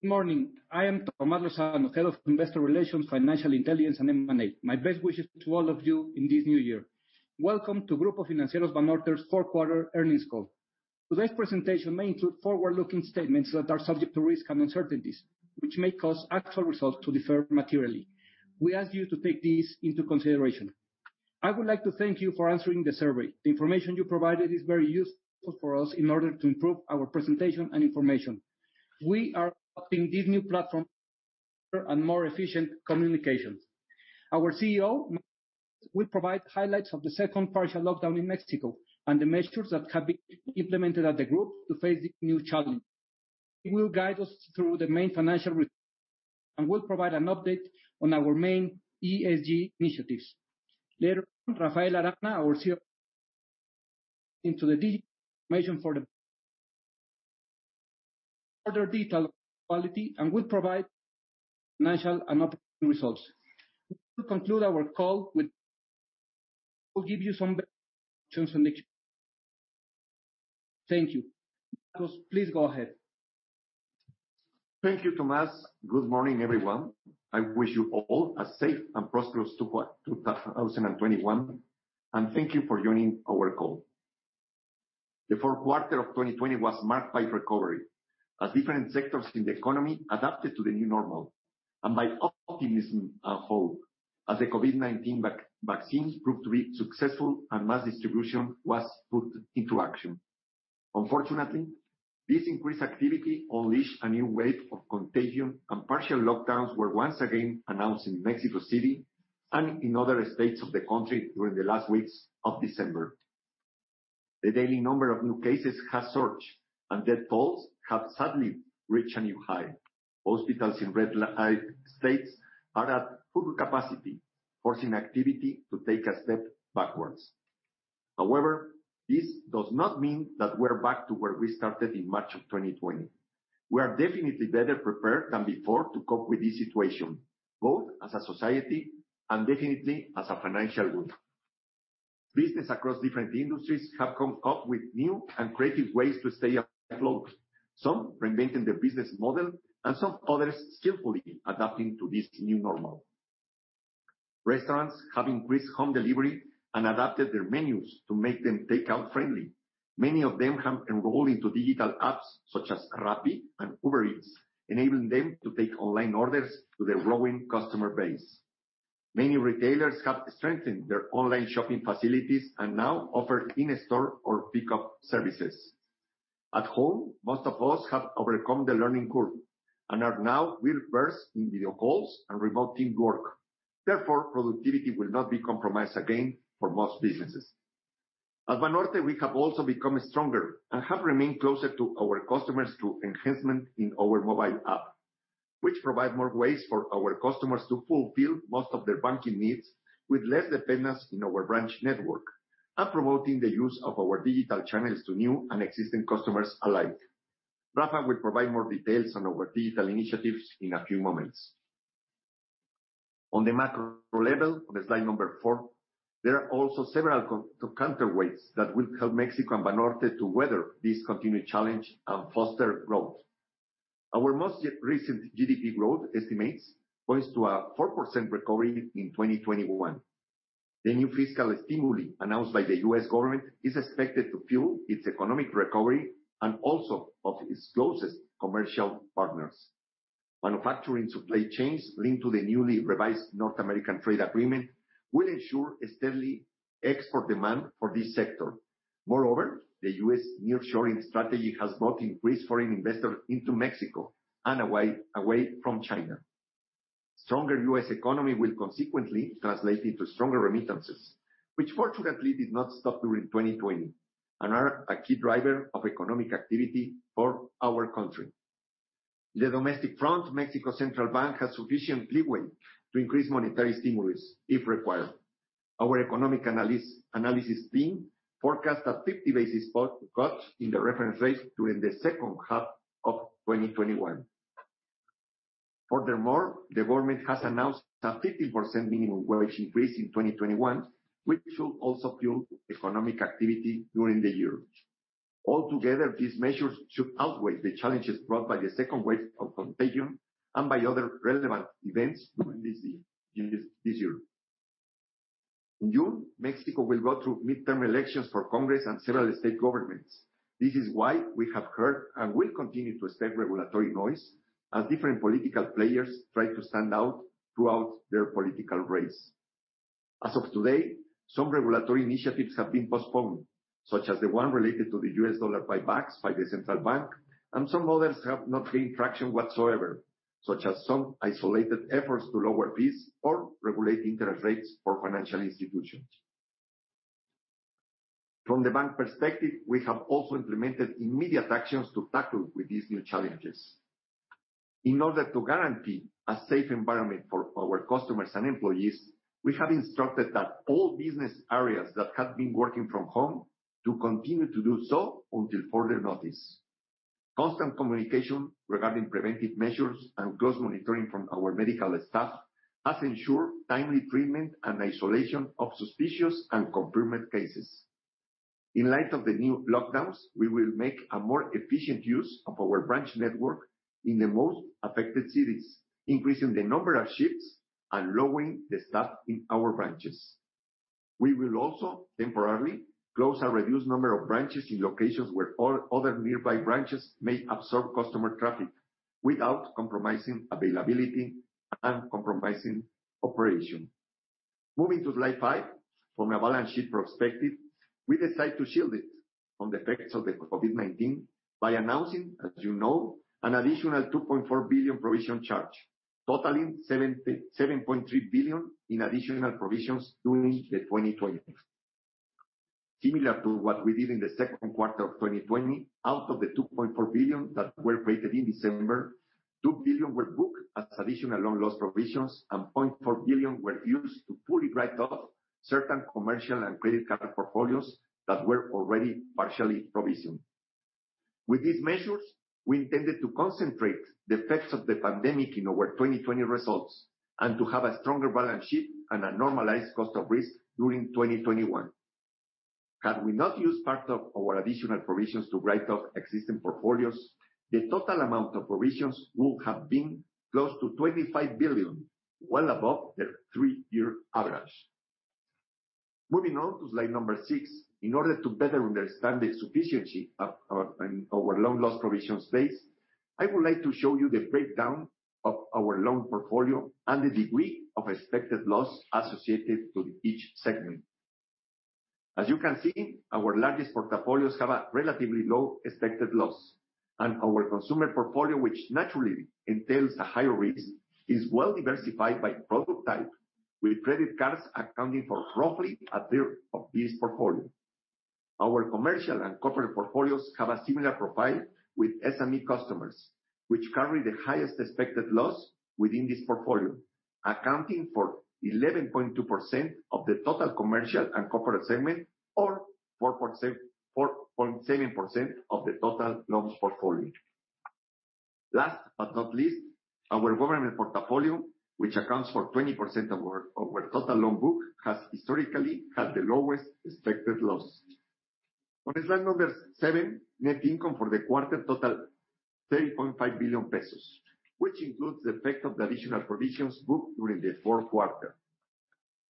Good morning. I am Tomás Lozano, Head of Investor Relations, Financial Intelligence, and M&A. My best wishes to all of you in this new year. Welcome to Grupo Financiero Banorte's fourth quarter earnings call. Today's presentation may include forward-looking statements that are subject to risks and uncertainties, which may cause actual results to differ materially. We ask you to take these into consideration. I would like to thank you for answering the survey. The information you provided is very useful for us in order to improve our presentation and information. We are adopting this new platform for a more efficient communication. Our CEO will provide highlights of the second partial lockdown in Mexico and the measures that have been implemented at the group to face this new challenge. He will guide us through the main financial results and will provide an update on our main ESG initiatives. Later on, Rafael Arana, our CFO, will go into the details for further details on quality and will provide financial and operating results. Thank you. Marcos, please go ahead. Thank you, Tomás. Good morning, everyone. I wish you all a safe and prosperous 2021, and thank you for joining our call. The fourth quarter of 2020 was marked by recovery, as different sectors in the economy adapted to the new normal, and by optimism and hope as the COVID-19 vaccines proved to be successful, and mass distribution was put into action. Unfortunately, this increased activity unleashed a new wave of contagion, and partial lockdowns were once again announced in Mexico City and in other states of the country during the last weeks of December. The daily number of new cases has surged, and death tolls have sadly reached a new high. Hospitals in red-light states are at full capacity, forcing activity to take a step backwards. However, this does not mean that we're back to where we started in March of 2020. We are definitely better prepared than before to cope with this situation, both as a society and definitely as a financial group. Businesses across different industries have come up with new and creative ways to stay afloat. Some reinventing their business model and some others skillfully adapting to this new normal. Restaurants have increased home delivery and adapted their menus to make them takeout-friendly. Many of them have enrolled into digital apps such as Rappi and Uber Eats, enabling them to take online orders to their growing customer base. Many retailers have strengthened their online shopping facilities and now offer in-store or pickup services. At home, most of us have overcome the learning curve and are now well-versed in video calls and remote teamwork. Therefore, productivity will not be compromised again for most businesses. At Banorte, we have also become stronger and have remained closer to our customers through enhancements in our mobile app, which provide more ways for our customers to fulfill most of their banking needs with less dependence on our branch network and promoting the use of our digital channels to new and existing customers alike. Rafael will provide more details on our digital initiatives in a few moments. On the macro level, on slide number four, there are also several counterweights that will help Mexico and Banorte to weather this continued challenge and foster growth. Our most recent GDP growth estimates point to a 4% recovery in 2021. The new fiscal stimuli announced by the US government is expected to fuel its economic recovery and also of its closest commercial partners. Manufacturing supply chains linked to the newly revised North American Trade Agreement will ensure a steady export demand for this sector. Moreover, the US nearshoring strategy has brought increased foreign investors into Mexico and away from China. Stronger US economy will consequently translate into stronger remittances, which fortunately did not stop during 2020 and are a key driver of economic activity for our country. On the domestic front, Mexico's central bank has sufficient leeway to increase monetary stimulus if required. Our economic analysis team forecasts a 50-basis cut in the reference rates during the second half of 2021. Furthermore, the government has announced a 15% minimum wage increase in 2021, which should also fuel economic activity during the year. Altogether, these measures should outweigh the challenges brought by the second wave of contagion and by other relevant events during this year. In June, Mexico will go through midterm elections for Congress and several state governments. This is why we have heard and will continue to expect regulatory noise as different political players try to stand out throughout their political race. As of today, some regulatory initiatives have been postponed, such as the one related to the US dollar buybacks by the central bank, and some others have not gained traction whatsoever, such as some isolated efforts to lower fees or regulate interest rates for financial institutions. From the bank perspective, we have also implemented immediate actions to tackle these new challenges. In order to guarantee a safe environment for our customers and employees, we have instructed that all business areas that have been working from home to continue to do so until further notice. Constant communication regarding preventive measures and close monitoring from our medical staff has ensured timely treatment and isolation of suspicious and confirmed cases. In light of the new lockdowns, we will make a more efficient use of our branch network in the most affected cities, increasing the number of shifts and lowering the staff in our branches. We will also temporarily close a reduced number of branches in locations where all other nearby branches may absorb customer traffic without compromising availability and compromising operation. Moving to slide five. From a balance sheet perspective, we decided to shield it from the effects of the COVID-19 by announcing, as you know, an additional 2.4 billion provision charge, totaling 7.3 billion in additional provisions during 2020. Similar to what we did in the second quarter of 2020, out of the 2.4 billion that were created in December, 2 billion were booked as additional loan loss provisions and 0.4 billion were used to fully write off certain commercial and credit card portfolios that were already partially provisioned. With these measures, we intended to concentrate the effects of the pandemic in our 2020 results and to have a stronger balance sheet and a normalized cost of risk during 2021. Had we not used part of our additional provisions to write off existing portfolios, the total amount of provisions would have been close to 25 billion, well above their three-year average. Moving on to slide number six. In order to better understand the sufficiency of our loan loss provision space, I would like to show you the breakdown of our loan portfolio and the degree of expected loss associated to each segment. As you can see, our largest portfolios have a relatively low expected loss, and our consumer portfolio, which naturally entails a higher risk, is well-diversified by product type, with credit cards accounting for roughly 1/3 of this portfolio. Our commercial and corporate portfolios have a similar profile with SME customers, which carry the highest expected loss within this portfolio, accounting for 11.2% of the total commercial and corporate segment, or 4.7% of the total loans portfolio. Last but not least, our government portfolio, which accounts for 20% of our total loan book, has historically had the lowest expected loss. On slide number seven, net income for the quarter totaled 30.5 billion pesos, which includes the effect of the additional provisions booked during the fourth quarter.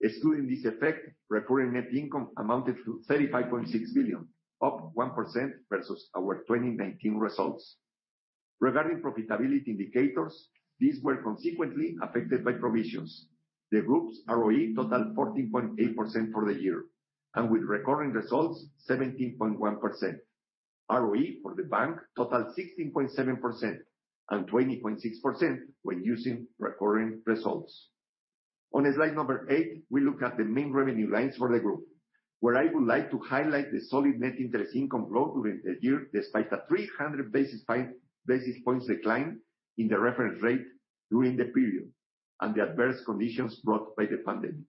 Excluding this effect, recurring net income amounted to 35.6 billion, up 1% versus our 2019 results. Regarding profitability indicators, these were consequently affected by provisions. The group's ROE totaled 14.8% for the year, and with recurring results, 17.1%. ROE for the bank totaled 16.7% and 20.6% when using recurring results. On slide number eight, we look at the main revenue lines for the group, where I would like to highlight the solid net interest income growth during the year, despite a 300 basis points decline in the reference rate during the period and the adverse conditions brought by the pandemic.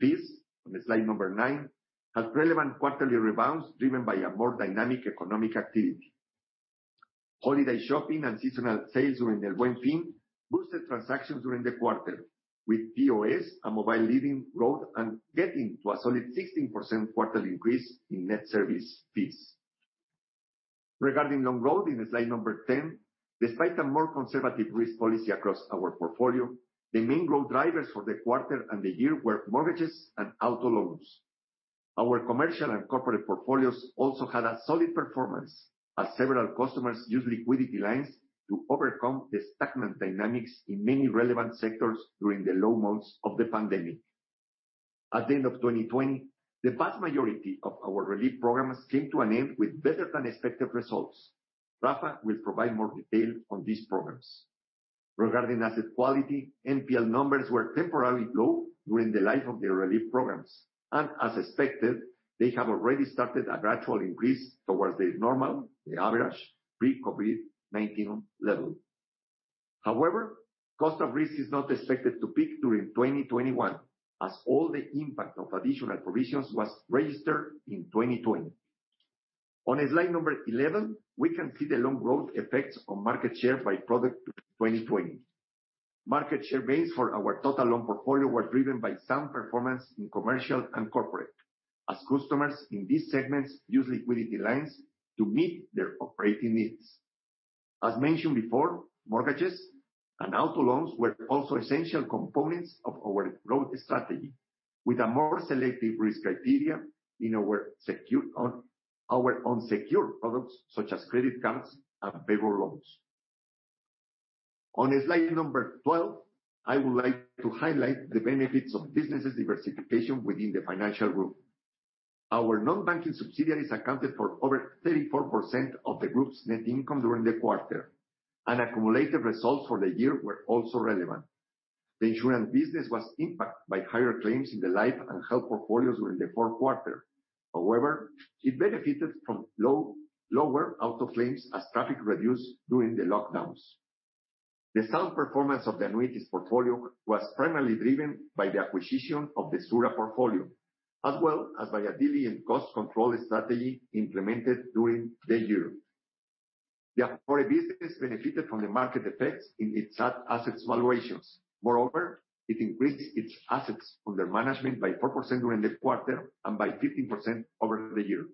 Fees, on slide number nine, have relevant quarterly rebounds driven by a more dynamic economic activity. Holiday shopping and seasonal sales during El Buen Fin boosted transactions during the quarter, with POS and mobile leading growth and getting to a solid 16% quarterly increase in net service fees. Regarding loan growth in slide number 10, despite a more conservative risk policy across our portfolio, the main growth drivers for the quarter and the year were mortgage loans and auto loans. Our commercial and corporate portfolios also had a solid performance as several customers used liquidity lines to overcome the stagnant dynamics in many relevant sectors during the low months of the pandemic. At the end of 2020, the vast majority of our relief programs came to an end with better-than-expected results. Rafael will provide more detail on these programs. Regarding asset quality, NPL numbers were temporarily low during the life of the relief programs, and as expected, they have already started a gradual increase towards the normal, the average pre-COVID-19 level. However, cost of risk is not expected to peak during 2021, as all the impact of additional provisions was registered in 2020. On slide number 11, we can see the loan growth effects on market share by product through 2020. Market share gains for our total loan portfolio were driven by sound performance in commercial and corporate as customers in these segments use liquidity lines to meet their operating needs. As mentioned before, mortgage loans and auto loans were also essential components of our growth strategy with a more selective risk criteria in our own secure products, such as credit cards and payroll loans. On slide number 12, I would like to highlight the benefits of businesses diversification within the financial group. Our non-banking subsidiaries accounted for over 34% of the group's net income during the quarter, and accumulated results for the year were also relevant. The insurance business was impacted by higher claims in the life and health portfolios during the fourth quarter. However, it benefited from lower auto claims as traffic reduced during the lockdowns. The sound performance of the annuities portfolio was primarily driven by the acquisition of the SURA portfolio, as well as by a diligent cost control strategy implemented during the year. The Afore business benefited from the market effects in its assets valuations. Moreover, it increased its assets under management by 4% during the quarter and by 15% over the year.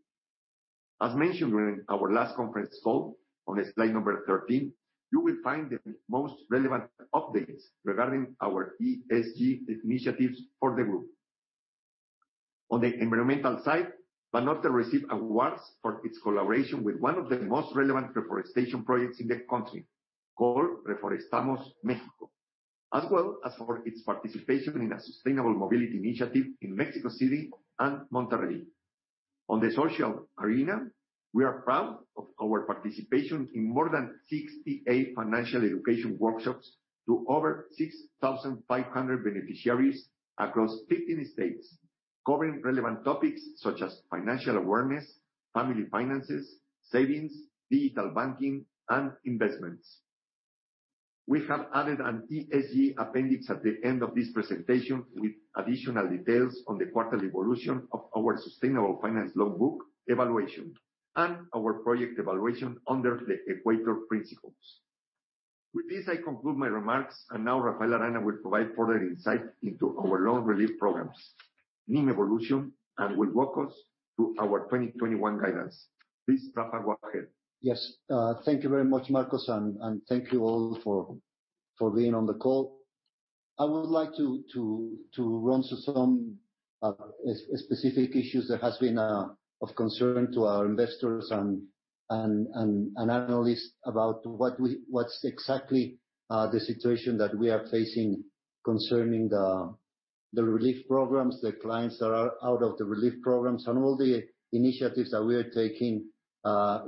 As mentioned during our last conference call, on slide number 13, you will find the most relevant updates regarding our ESG initiatives for the group. On the environmental side, Banorte received awards for its collaboration with one of the most relevant reforestation projects in the country, called Reforestamos México, as well as for its participation in a sustainable mobility initiative in Mexico City and Monterrey. On the social arena, we are proud of our participation in more than 68 financial education workshops to over 6,500 beneficiaries across 15 states, covering relevant topics such as financial awareness, family finances, savings, digital banking, and investments. We have added an ESG appendix at the end of this presentation with additional details on the quarterly evolution of our sustainable finance loan book evaluation and our project evaluation under the Equator Principles. With this, I conclude my remarks, and now Rafael Arana will provide further insight into our loan relief programs, NIM evolution, and will walk us through our 2021 guidance. Please, Rafael, go ahead. Yes. Thank you very much, Marcos, and thank you all for being on the call. I would like to run through some specific issues that have been of concern to our investors and analysts about what exactly the situation that we are facing concerning the relief programs, the clients that are out of the relief programs, and all the initiatives that we are taking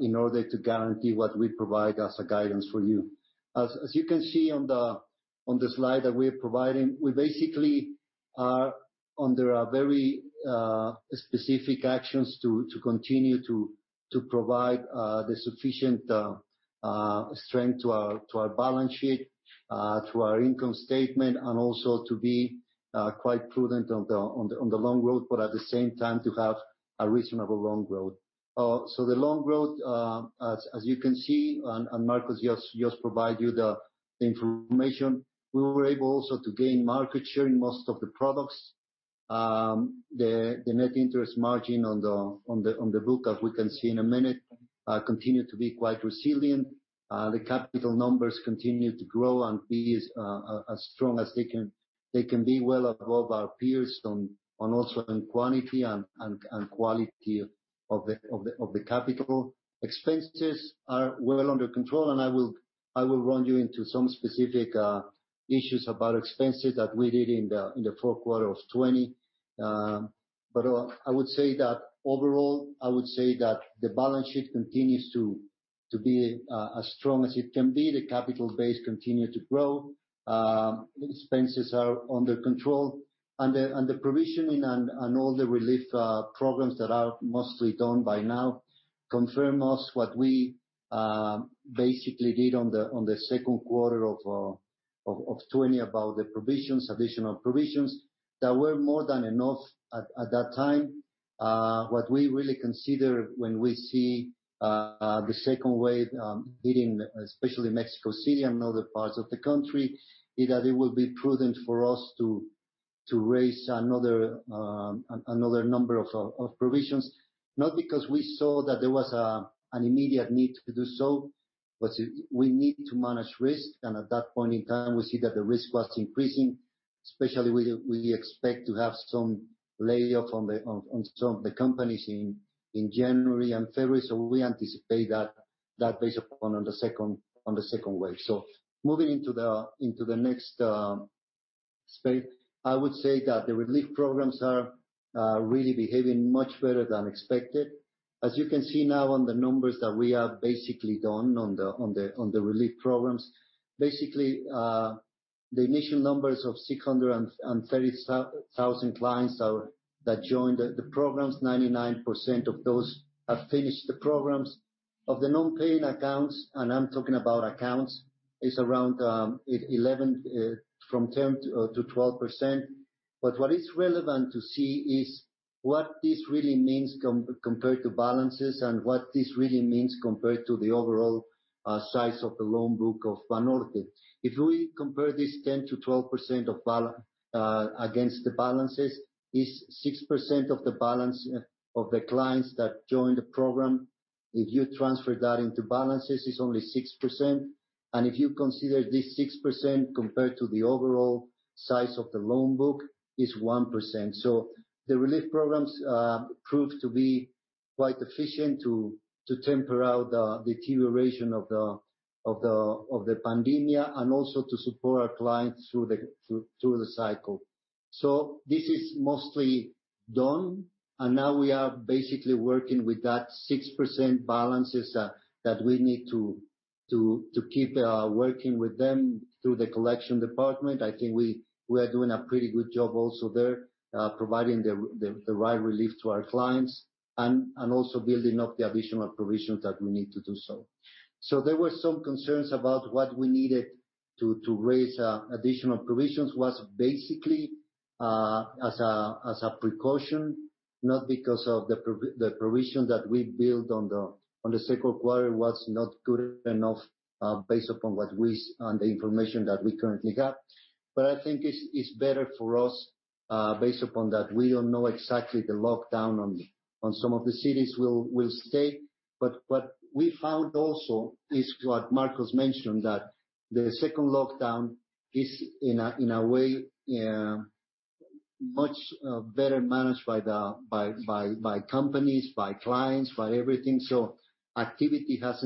in order to guarantee what we provide as a guidance for you. As you can see on the slide that we're providing, we basically are under very specific actions to continue to provide the sufficient strength to our balance sheet, to our income statement, and also to be quite prudent on the loan growth, but at the same time, to have a reasonable loan growth. The loan growth, as you can see, and Marcos just provided you the information, we were able also to gain market share in most of the products. The net interest margin on the book, as we can see in a minute, continued to be quite resilient. The capital numbers continued to grow and be as strong as they can be, well above our peers also on quantity and quality of the capital. Expenses are well under control, and I will run you into some specific issues about expenses that we did in the fourth quarter of 2020. Overall, I would say that the balance sheet continues to be as strong as it can be. The capital base continued to grow. Expenses are under control, and the provisioning and all the relief programs that are mostly done by now confirm us what we basically did on the second quarter of 2020 about the additional provisions that were more than enough at that time. What we really consider when we see the second wave hitting especially Mexico City and other parts of the country, is that it would be prudent for us to raise another number of provisions. Not because we saw that there was an immediate need to do so, but we need to manage risk, and at that point in time, we see that the risk was increasing. Especially, we expect to have some layoff on some of the companies in January and February, so we anticipate that based upon the second wave. Moving into the next space, I would say that the relief programs are really behaving much better than expected. As you can see now on the numbers that we have basically done on the relief programs. The initial numbers of 630,000 clients that joined the programs, 99% of those have finished the programs. Of the non-paying accounts, and I'm talking about accounts, it's around 10%-12%. What is relevant to see is what this really means compared to balances and what this really means compared to the overall size of the loan book of Banorte. If we compare this 10%-12% against the balances, it's 6% of the balance of the clients that joined the program. If you transfer that into balances, it's only 6%. If you consider this 6% compared to the overall size of the loan book, it's 1%. The relief programs proved to be quite efficient to temper out the deterioration of the pandemic and also to support our clients through the cycle. This is mostly done, and now we are basically working with that 6% balances that we need to keep working with them through the collection department. I think we are doing a pretty good job also there, providing the right relief to our clients and also building up the additional provisions that we need to do so. There were some concerns about what we needed to raise additional provisions was basically as a precaution, not because of the provision that we built on the second quarter was not good enough based upon the information that we currently got. I think it's better for us based upon that we don't know exactly the lockdown on some of the cities will stay. What we found also is what Marcos mentioned, that the second lockdown is, in a way, much better managed by companies, by clients, by everything. Activity has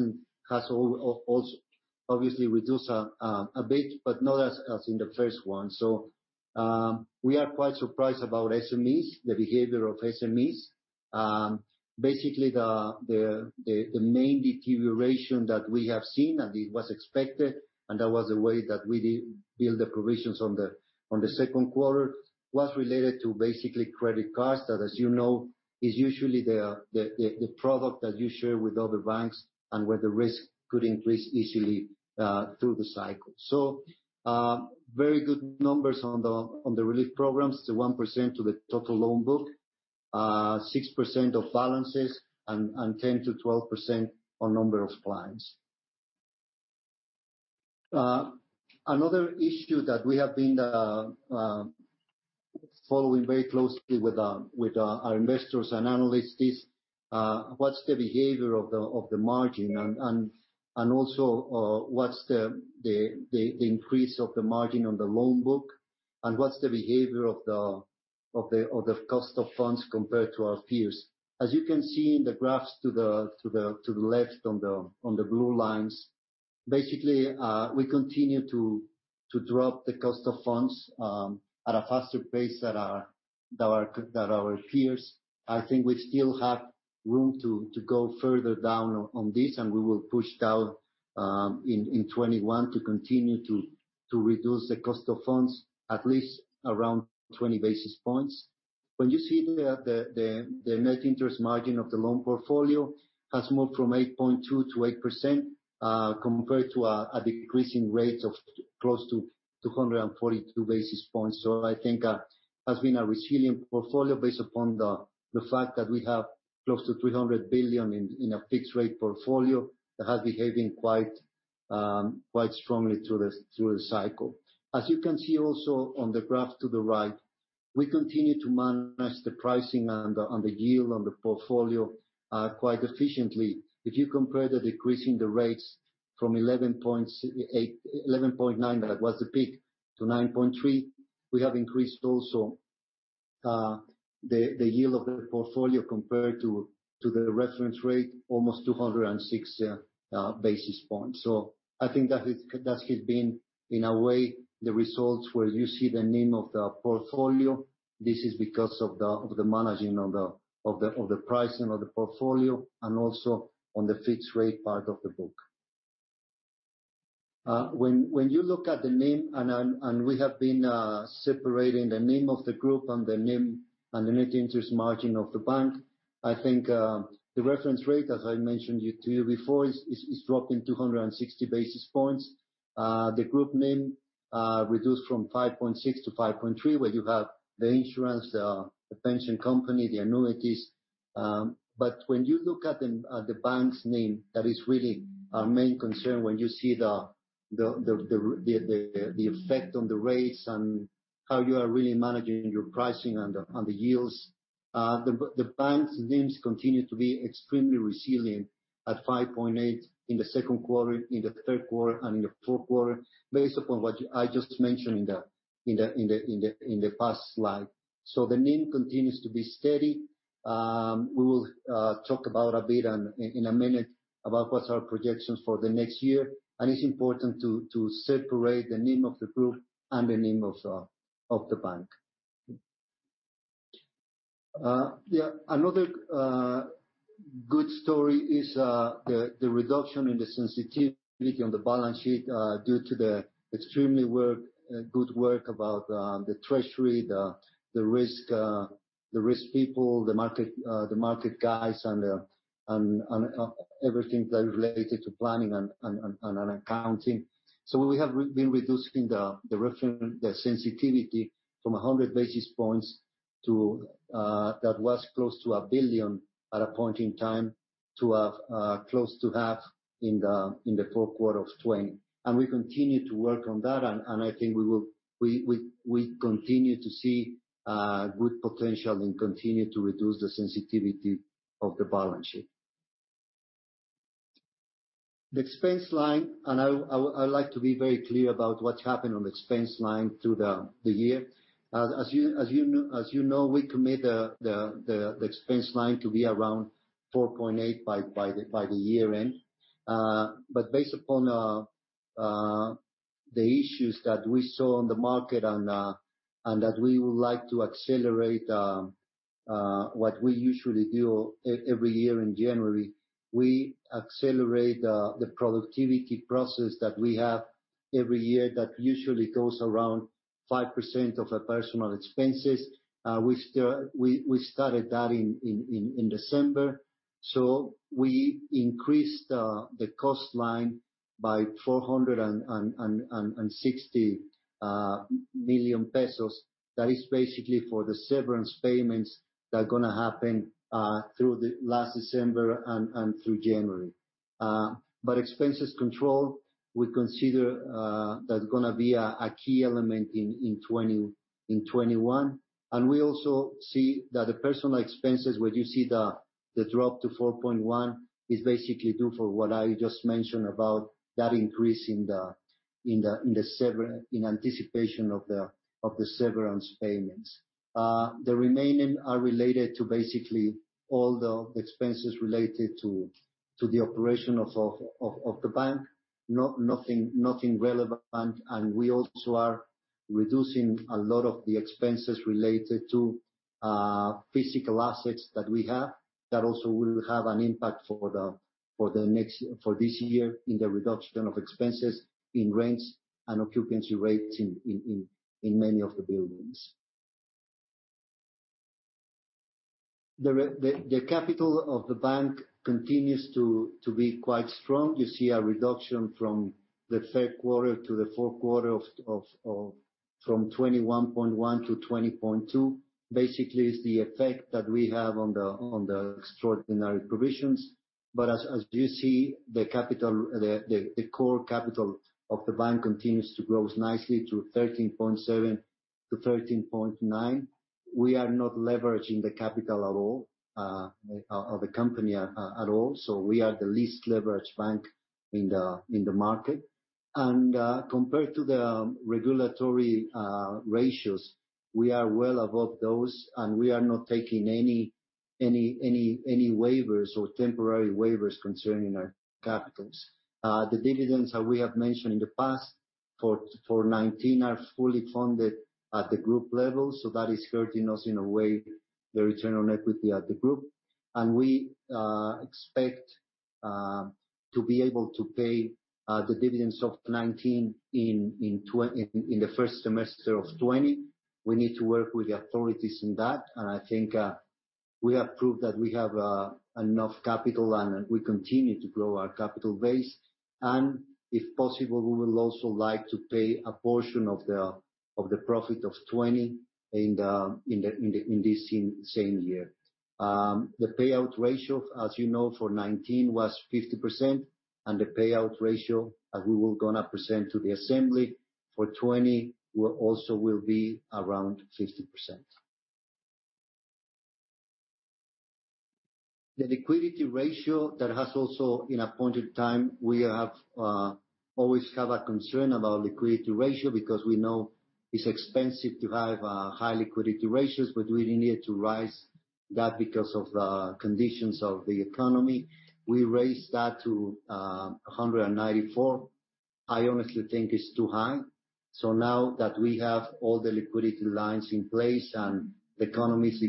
also obviously reduced a bit, but not as in the first one. We are quite surprised about SMEs, the behavior of SMEs. Basically, the main deterioration that we have seen, and it was expected, and that was the way that we did build the provisions on the second quarter, was related to basically credit cards. That, as you know, is usually the product that you share with other banks and where the risk could increase easily through the cycle. Very good numbers on the relief programs, the 1% to the total loan book, 6% of balances, and 10%-12% on number of clients. Another issue that we have been following very closely with our investors and analysts is, what's the behavior of the margin, and also what's the increase of the margin on the loan book, and what's the behavior of the cost of funds compared to our peers. As you can see in the graphs to the left on the blue lines, basically, we continue to drop the cost of funds at a faster pace than our peers. I think we still have room to go further down on this, and we will push down in 2021 to continue to reduce the cost of funds at least around 20 basis points. When you see the net interest margin of the loan portfolio has moved from 8.2%-8%, compared to a decrease in rates of close to 242 basis points. I think has been a resilient portfolio based upon the fact that we have close to 300 billion in a fixed rate portfolio that has been behaving quite strongly through the cycle. As you can see also on the graph to the right, we continue to manage the pricing and the yield on the portfolio quite efficiently. If you compare the decrease in the rates from 11.9%, that was the peak, to 9.3%, we have increased also the yield of the portfolio compared to the reference rate, almost 206 basis points. I think that has been, in a way, the results where you see the NIM of the portfolio. This is because of the managing of the pricing of the portfolio and also on the fixed rate part of the book. We have been separating the NIM of the group and the NIM and the net interest margin of the bank. I think the reference rate, as I mentioned to you before, is dropped in 260 basis points. The group NIM reduced from 5.6%-5.3%, where you have the insurance, the pension company, the annuities. When you look at the bank's NIM, that is really our main concern when you see the effect on the rates and how you are really managing your pricing on the yields. The bank's NIMs continue to be extremely resilient at 5.8% in the second quarter, in the third quarter and in the fourth quarter, based upon what I just mentioned in the past slide. The NIM continues to be steady. We will talk about a bit in a minute about what's our projections for the next year. It's important to separate the NIM of the group and the NIM of the bank. Another good story is the reduction in the sensitivity on the balance sheet due to the extremely good work about the treasury, the risk people, the market guys, and everything related to planning and accounting. We have been reducing the sensitivity from 100 basis points, that was close to 1 billion at a point in time to close to MXN 0.5 billion in the fourth quarter of 2020. We continue to work on that, and I think we continue to see good potential and continue to reduce the sensitivity of the balance sheet. The expense line, and I would like to be very clear about what happened on the expense line through the year. As you know, we commit the expense line to be around 4.8% by the year-end. Based upon the issues that we saw on the market and that we would like to accelerate what we usually do every year in January, we accelerate the productivity process that we have every year that usually goes around 5% of our personal expenses. We started that in December. We increased the cost line by 460 million pesos. That is basically for the severance payments that are going to happen through last December and through January. Expenses control, we consider that's going to be a key element in 2021. We also see that the personal expenses, where you see the drop to 4.1%, is basically due for what I just mentioned about that increase in anticipation of the severance payments. The remaining are related to basically all the expenses related to the operation of the bank. Nothing relevant. We also are reducing a lot of the expenses related to physical assets that we have, that also will have an impact for this year in the reduction of expenses in rents and occupancy rates in many of the buildings. The capital of the bank continues to be quite strong. You see a reduction from the third quarter to the fourth quarter from 21.1% -20.2%. Basically, it's the effect that we have on the extraordinary provisions. As you see, the core capital of the bank continues to grow nicely to 13.7%-13.9%. We are not leveraging the capital at all, of the company at all. We are the least leveraged bank in the market. Compared to the regulatory ratios, we are well above those, and we are not taking any waivers or temporary waivers concerning our capitals. The dividends that we have mentioned in the past for 2019 are fully funded at the group level. That is hurting us in a way, the return on equity at the group. We expect to be able to pay the dividends of 2019 in the first semester of 2020. We need to work with the authorities in that, and I think we have proved that we have enough capital and we continue to grow our capital base. If possible, we will also like to pay a portion of the profit of 2020 in this same year. The payout ratio, as you know, for 2019 was 50%, and the payout ratio, as we were going to present to the assembly for 2020, also will be around 50%. The liquidity ratio that has also, in a point in time, we always have a concern about liquidity ratio because we know it's expensive to have high liquidity ratios, but we needed to rise that because of the conditions of the economy. We raised that to 194%. I honestly think it's too high. Now that we have all the liquidity lines in place and the economy is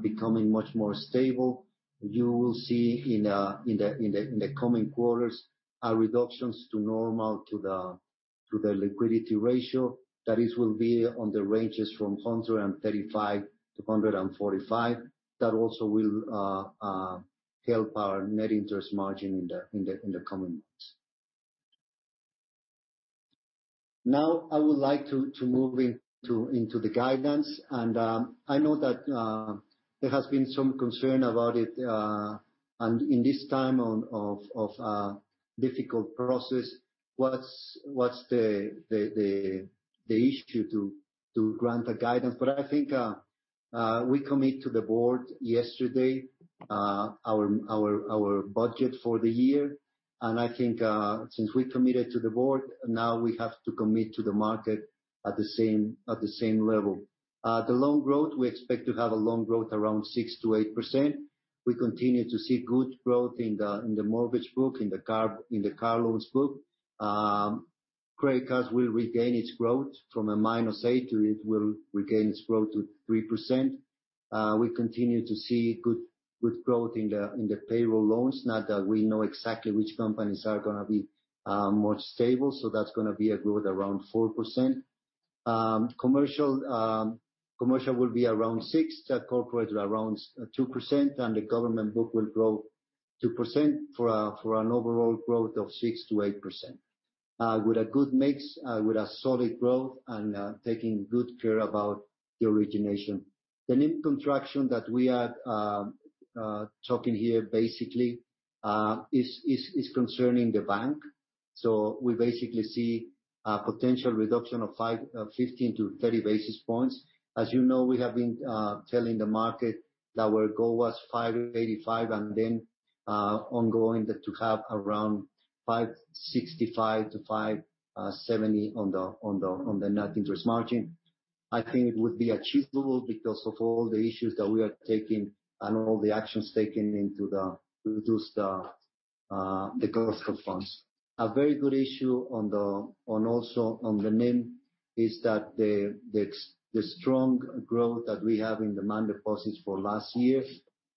becoming much more stable, you will see in the coming quarters our reductions to normal to the liquidity ratio. That will be on the ranges from 135%-145%. That also will help our net interest margin in the coming months. Now, I would like to move into the guidance. I know that there has been some concern about it, in this time of a difficult process, what's the issue to grant a guidance. I think we commit to the board yesterday our budget for the year, I think since we committed to the board, now we have to commit to the market at the same level. The loan growth, we expect to have a loan growth around 6%-8%. We continue to see good growth in the mortgage loans, in the car loans. credit cards will regain its growth from a -8%, it will regain its growth to 3%. We continue to see good growth in the payroll loans, now that we know exactly which companies are going to be more stable. That's going to be a growth around 4%. Commercial will be around 6%, the corporate around 2%, and the government book will grow 2% for an overall growth of 6%-8%, with a good mix, with a solid growth, and taking good care about the origination. The NIM contraction that we are talking here basically, is concerning the bank. We basically see a potential reduction of 15 basis-30 basis points. As you know, we have been telling the market that our goal was 585 and then ongoing to have around 565-570 on the net interest margin. I think it would be achievable because of all the issues that we are taking and all the actions taken to reduce the cost of funds. A very good issue also on the NIM, is that the strong growth that we have in demand deposits for last year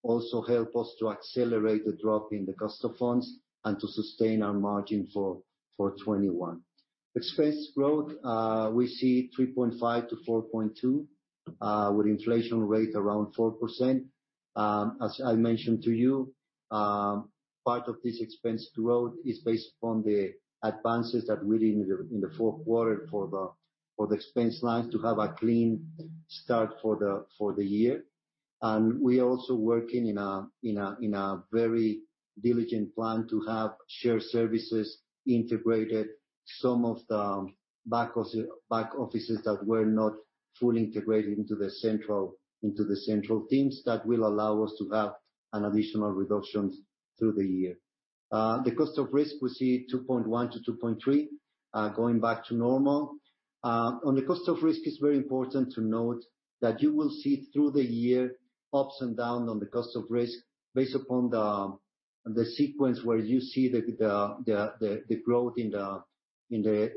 also help us to accelerate the drop in the cost of funds and to sustain our margin for 2021. Expense growth, we see 3.5%-4.2% with inflation rate around 4%. As I mentioned to you, part of this expense growth is based upon the advances that we did in the fourth quarter for the expense lines to have a clean start for the year. We're also working in a very diligent plan to have shared services integrated some of the back offices that were not fully integrated into the central teams that will allow us to have an additional reductions through the year. The cost of risk, we see 2.1%-2.3%, going back to normal. On the cost of risk, it's very important to note that you will see through the year ups and down on the cost of risk based upon the sequence where you see the growth in the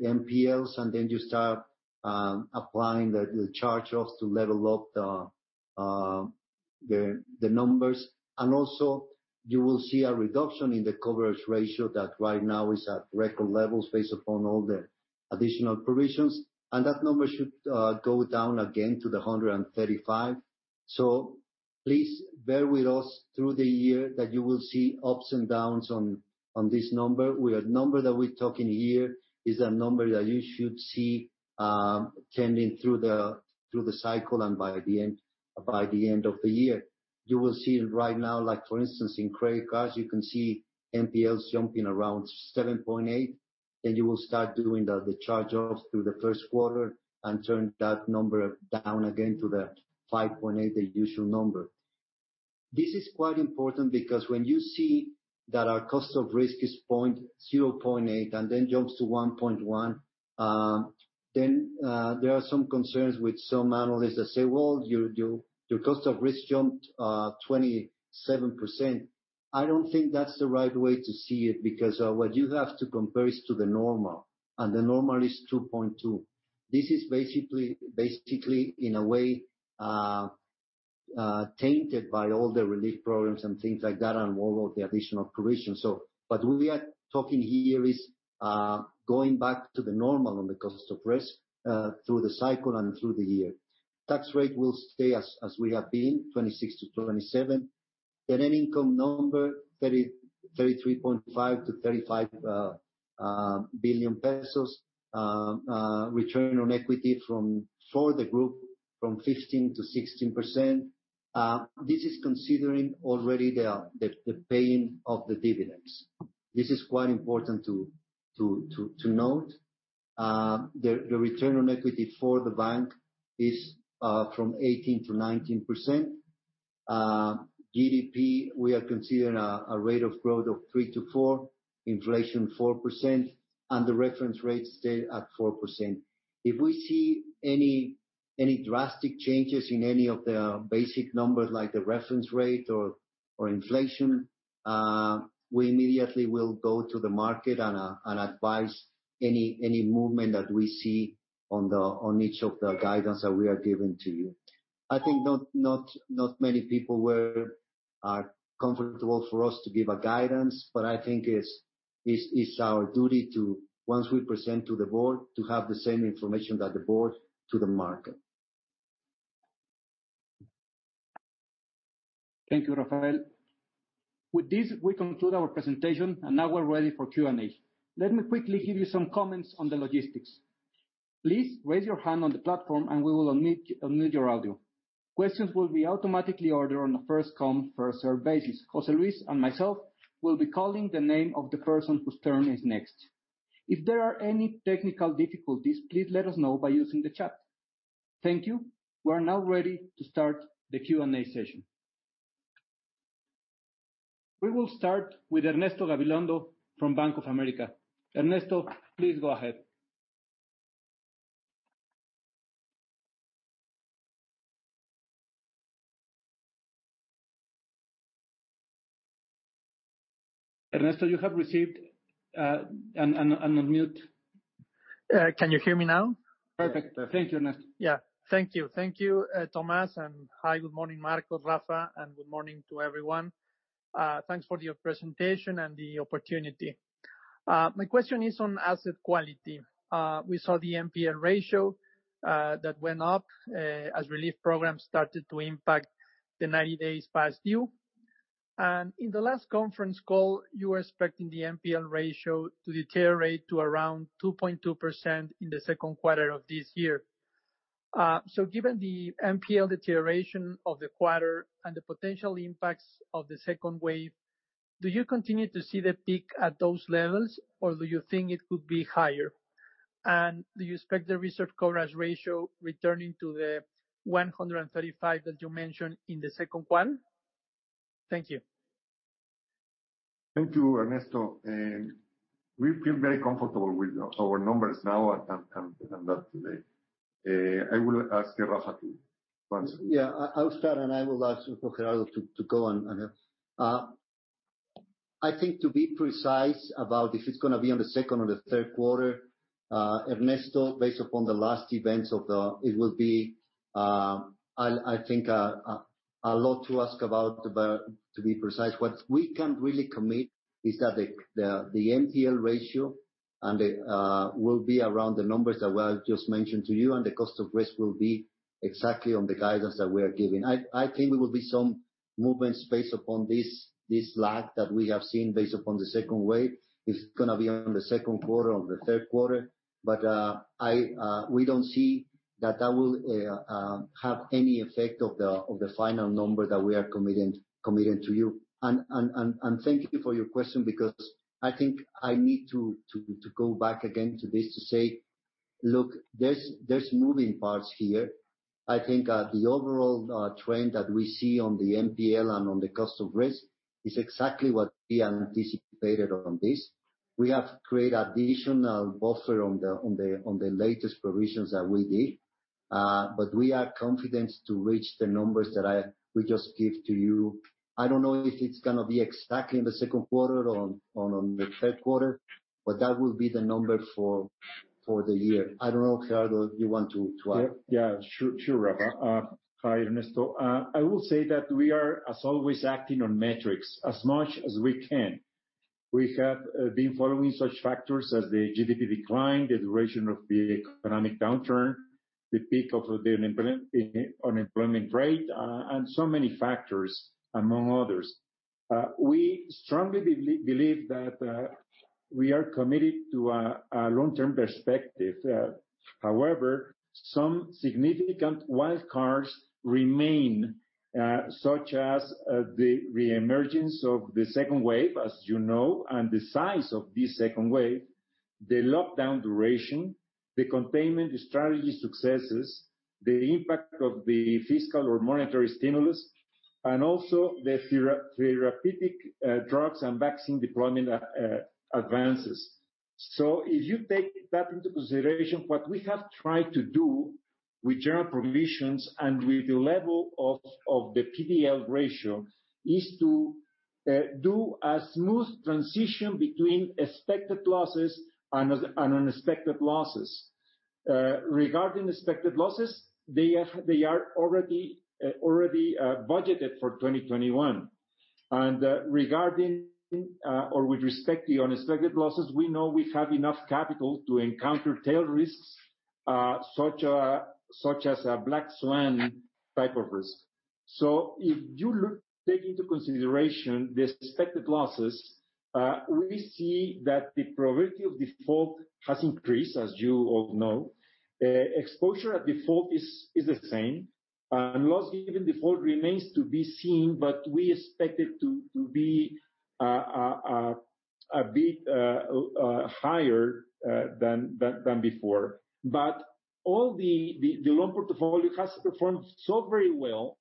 NPLs, then you start applying the charge-offs to level up the numbers. Also, you will see a reduction in the coverage ratio that right now is at record levels based upon all the additional provisions. That number should go down again to the 135%. Please bear with us through the year that you will see ups and downs on this number. The number that we're talking here is a number that you should see tending through the cycle and by the end of the year. You will see right now, for instance, in credit cards, you can see NPLs jumping around 7.8%, then you will start doing the charge offs through the first quarter and turn that number down again to the 5.8%, the usual number. This is quite important because when you see that our cost of risk is 0.8% and then jumps to 1.1%, then there are some concerns with some analysts that say, "Well, your cost of risk jumped 27%." I don't think that's the right way to see it, because what you have to compare is to the normal, and the normal is 2.2%. This is basically, in a way, tainted by all the relief programs and things like that and all of the additional provisions. What we are talking here is going back to the normal on the cost of risk, through the cycle and through the year. Tax rate will stay as we have been, 26%-27%. Net income number, 33.5 billion-35 billion pesos. Return on equity for the group, from 15%-16%. This is considering already the paying of the dividends. This is quite important to note. The return on equity for the bank is from 18%-19%. GDP, we are considering a rate of growth of 3%-4%, inflation 4%, and the reference rate stay at 4%. If we see any drastic changes in any of the basic numbers like the reference rate or inflation, we immediately will go to the market and advise any movement that we see on each of the guidance that we are giving to you. I think not many people are comfortable for us to give a guidance, but I think it's our duty to, once we present to the board, to have the same information that the board, to the market. Thank you, Rafael. With this, we conclude our presentation, and now we're ready for Q&A. Let me quickly give you some comments on the logistics. Please raise your hand on the platform and we will unmute your audio. Questions will be automatically ordered on a first come, first served basis. Jose Luis and myself will be calling the name of the person whose turn is next. If there are any technical difficulties, please let us know by using the chat. Thank you. We're now ready to start the Q&A session. We will start with Ernesto Gabilondo from Bank of America. Ernesto, please go ahead. Ernesto, you have received an unmute. Can you hear me now? Perfect. Thank you, Ernesto. Thank you. Thank you, Tomás. Hi, good morning, Marcos, Rafael, and good morning to everyone. Thanks for your presentation and the opportunity. My question is on asset quality. We saw the NPL ratio that went up as relief programs started to impact the 90-days past due. In the last conference call, you were expecting the NPL ratio to deteriorate to around 2.2% in the second quarter of this year. Given the NPL deterioration of the quarter and the potential impacts of the second wave, do you continue to see the peak at those levels, or do you think it could be higher? Do you expect the reserve coverage ratio returning to the 135% that you mentioned in the second quarter? Thank you. Thank you, Ernesto. We feel very comfortable with our numbers now and up to date. I will ask Rafael to answer. Yeah, I'll start, and I will ask Gerardo to go on. I think to be precise about if it's going to be on the second or the third quarter, Ernesto, based upon the last events, it will be, I think a lot to ask about, to be precise. What we can really commit is that the NPL ratio will be around the numbers that were just mentioned to you, and the cost of risk will be exactly on the guidance that we are giving. I think there will be some movements based upon this lag that we have seen based upon the second wave. It's going to be on the second quarter or the third quarter. We don't see that will have any effect of the final number that we are committing to you. Thank you for your question because I think I need to go back again to this to say, look, there's moving parts here. I think the overall trend that we see on the NPL and on the cost of risk is exactly what we anticipated on this. We have created additional buffer on the latest provisions that we did. We are confident to reach the numbers that we just give to you. I don't know if it's going to be exactly in the second quarter or on the third quarter, but that will be the number for the year. I don't know, Gerardo, you want to add? Yeah. Sure, Rafael. Hi, Ernesto. I will say that we are, as always, acting on metrics as much as we can. We have been following such factors as the GDP decline, the duration of the economic downturn, the peak of the unemployment rate, and so many factors, among others. We strongly believe that we are committed to a long-term perspective. However, some significant wild cards remain, such as the re-emergence of the second wave, as you know, and the size of this second wave, the lockdown duration, the containment strategy successes, the impact of the fiscal or monetary stimulus, and also the therapeutic drugs and vaccine deployment advances. If you take that into consideration, what we have tried to do with general provisions and with the level of the NPL ratio, is to do a smooth transition between expected losses and unexpected losses. Regarding expected losses, they are already budgeted for 2021. Regarding or with respect to the unexpected losses, we know we have enough capital to encounter tail risks, such as a black swan type of risk. If you take into consideration the expected losses, we see that the probability of default has increased, as you all know. Exposure at default is the same, and loss given default remains to be seen, but we expect it to be a bit higher than before. All the loan portfolio has performed so very well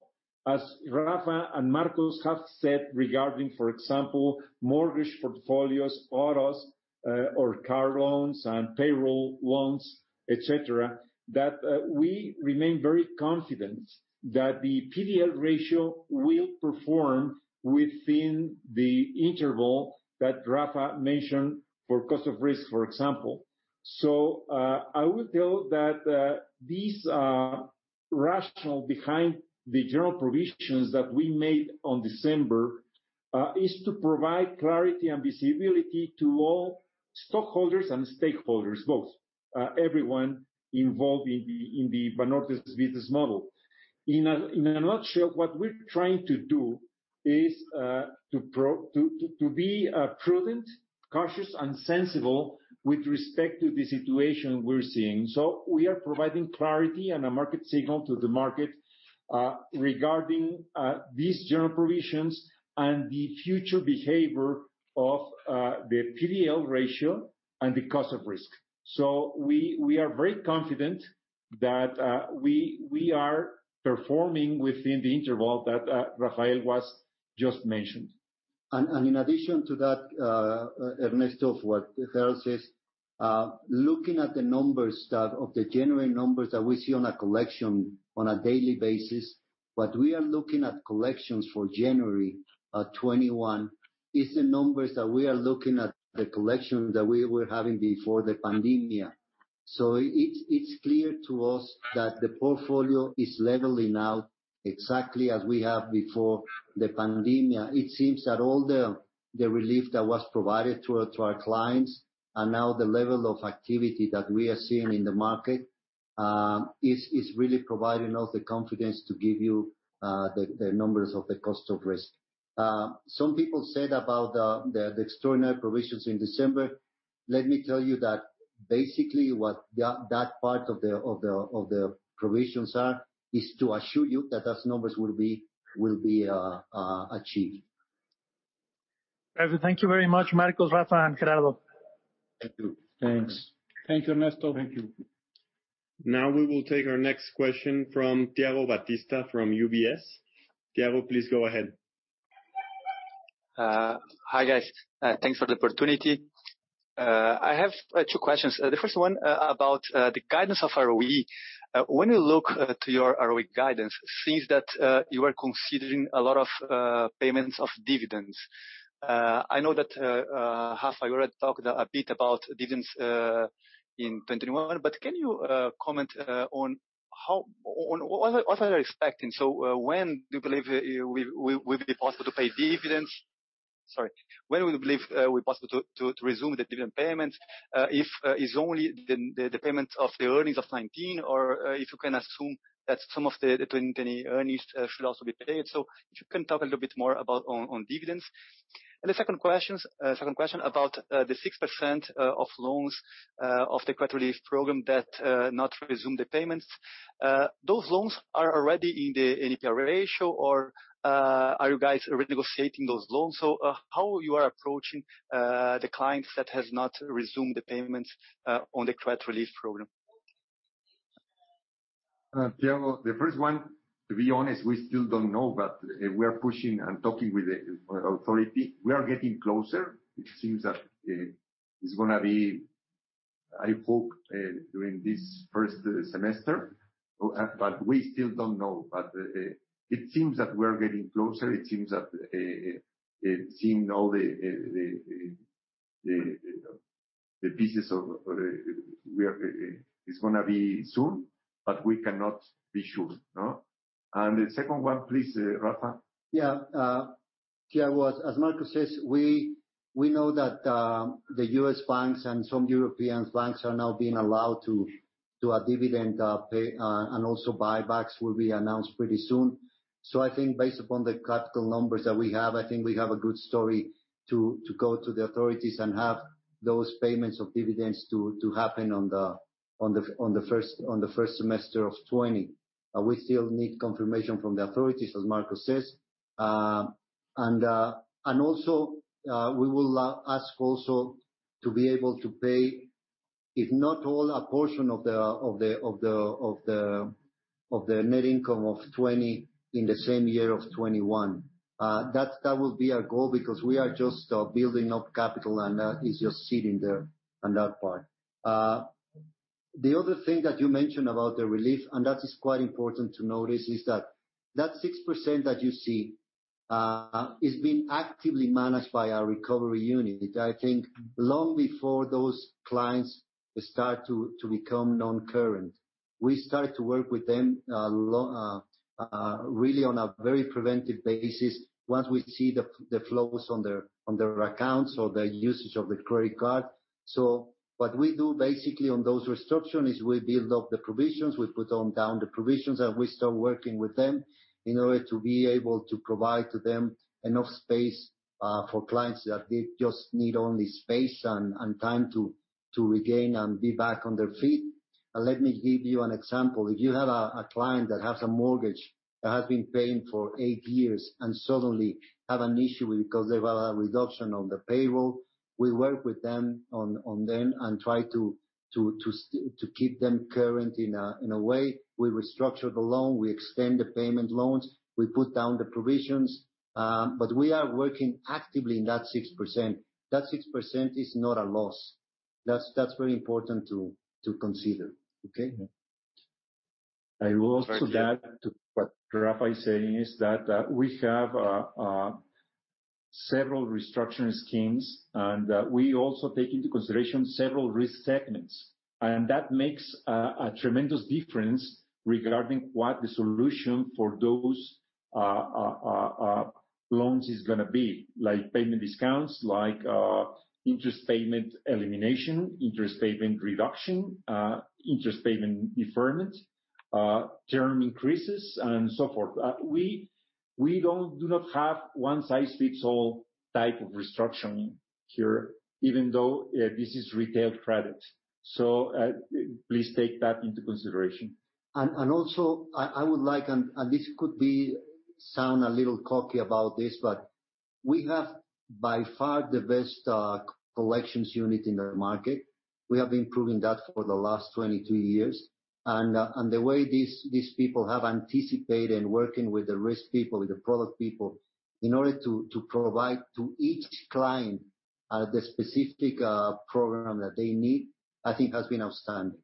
as Rafael and Marcos have said, regarding, for example, mortgage portfolios, autos or car loans and payroll loans, et cetera, that we remain very confident that the NPL ratio will perform within the interval that Rafael mentioned for cost of risk, for example. I will tell that this rationale behind the general provisions that we made on December is to provide clarity and visibility to all stockholders and stakeholders, both, everyone involved in the Banorte's business model. In a nutshell, what we're trying to do is to be prudent, cautious, and sensible with respect to the situation we're seeing. We are providing clarity and a market signal to the market regarding these general provisions and the future behavior of the NPL ratio and the cost of risk. We are very confident that we are performing within the interval that Rafael just mentioned. In addition to that, Ernesto, of what Gerardo says, looking at the numbers that of the January numbers that we see on a collection on a daily basis, what we are looking at collections for January 2021 is the numbers that we are looking at the collection that we were having before the pandemic. It's clear to us that the portfolio is leveling out exactly as we have before the pandemic. It seems that all the relief that was provided to our clients and now the level of activity that we are seeing in the market is really providing us the confidence to give you the numbers of the cost of risk. Some people said about the extraordinary provisions in December. Let me tell you that basically what that part of the provisions are is to assure you that those numbers will be achieved. Thank you very much, Marcos, Rafael, and Gerardo. Thank you. Thanks. Thank you, Ernesto. Thank you. Now we will take our next question from Thiago Batista from UBS. Thiago, please go ahead. Hi, guys. Thanks for the opportunity. I have two questions. The first one about the guidance of ROE. When you look to your ROE guidance, seems that you are considering a lot of payments of dividends. I know that Rafael already talked a bit about dividends in 2021, but can you comment on what are you expecting? When do you believe it will be possible to pay dividends? Sorry. When will you believe will be possible to resume the dividend payment? If it's only the payment of the earnings of 2019, or if you can assume that some of the 2020 earnings should also be paid. If you can talk a little bit more about on dividends. And the second question about the 6% of loans of the credit relief program that not resume the payments. Those loans are already in the NPL ratio, or are you guys renegotiating those loans? How you are approaching the clients that has not resumed the payments on the credit relief program? Thiago, the first one, to be honest, we still don't know, but we are pushing and talking with the authority. We are getting closer. It seems that it's going to be, I hope, during this first semester, but we still don't know. It seems that we're getting closer. It's going to be soon, but we cannot be sure. No? The second one, please, Rafael. Yeah. Thiago, as Marcos says, we know that the US banks and some European banks are now being allowed to do a dividend pay, and also buybacks will be announced pretty soon. I think based upon the capital numbers that we have, I think we have a good story to go to the authorities and have those payments of dividends to happen on the first semester of 2020. We still need confirmation from the authorities, as Marcos says. We will ask also to be able to pay, if not all, a portion of the net income of 2020 in the same year of 2021. That will be our goal because we are just building up capital, and that is just sitting there on that part. The other thing that you mentioned about the relief, that is quite important to notice, is that that 6% that you see is being actively managed by our recovery unit. I think long before those clients start to become non-current, we start to work with them really on a very preventive basis once we see the flaws on their accounts or their usage of the credit card. What we do basically on those restructuring is we build up the provisions, we put on down the provisions, and we start working with them in order to be able to provide to them enough space for clients that they just need only space and time to regain and be back on their feet. Let me give you an example. If you have a client that has a mortgage that has been paying for eight years and suddenly have an issue because they've had a reduction on the payroll, we work with them on them and try to keep them current in a way. We restructure the loan. We extend the payment loans. We put down the provisions. We are working actively in that 6%. That 6% is not a loss. That's very important to consider. Okay? I will also add to what Rafael is saying, is that we have several restructuring schemes. We also take into consideration several risk segments. That makes a tremendous difference regarding what the solution for those loans is going to be, like payment discounts, like interest payment elimination, interest payment reduction, interest payment deferment, term increases, and so forth. We do not have one-size-fits-all type of restructuring here, even though this is retail credit. Please take that into consideration. Also, I would like, and this could sound a little cocky about this, but we have by far the best collections unit in the market. We have been proving that for the last 23 years. The way these people have anticipated in working with the risk people, with the product people, in order to provide to each client the specific program that they need, I think has been outstanding.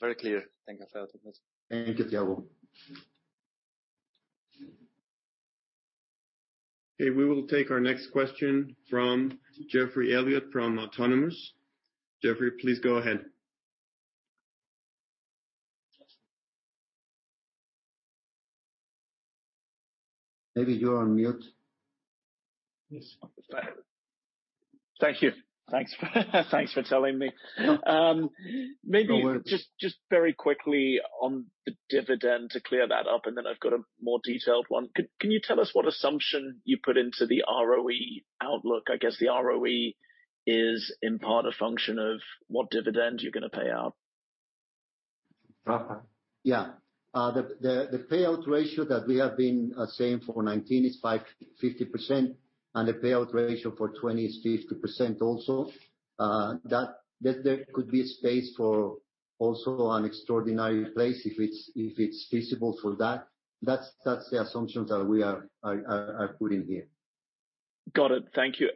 Very clear. Thank you for that. Thank you, Thiago. Okay. We will take our next question from Geoffrey Elliott from Autonomous. Geoffrey, please go ahead. Maybe you're on mute. Yes. Thank you. Thanks for telling me. No worries. Maybe just very quickly on the dividend to clear that up, and then I've got a more detailed one. Can you tell us what assumption you put into the ROE outlook? I guess the ROE is in part a function of what dividend you're going to pay out. Rafael. The payout ratio that we have been saying for 2019 is 50%. The payout ratio for 2020 is 50% also. There could be space for also an extraordinary place if it's feasible for that. That's the assumptions that we are putting here. Got it. Thank you.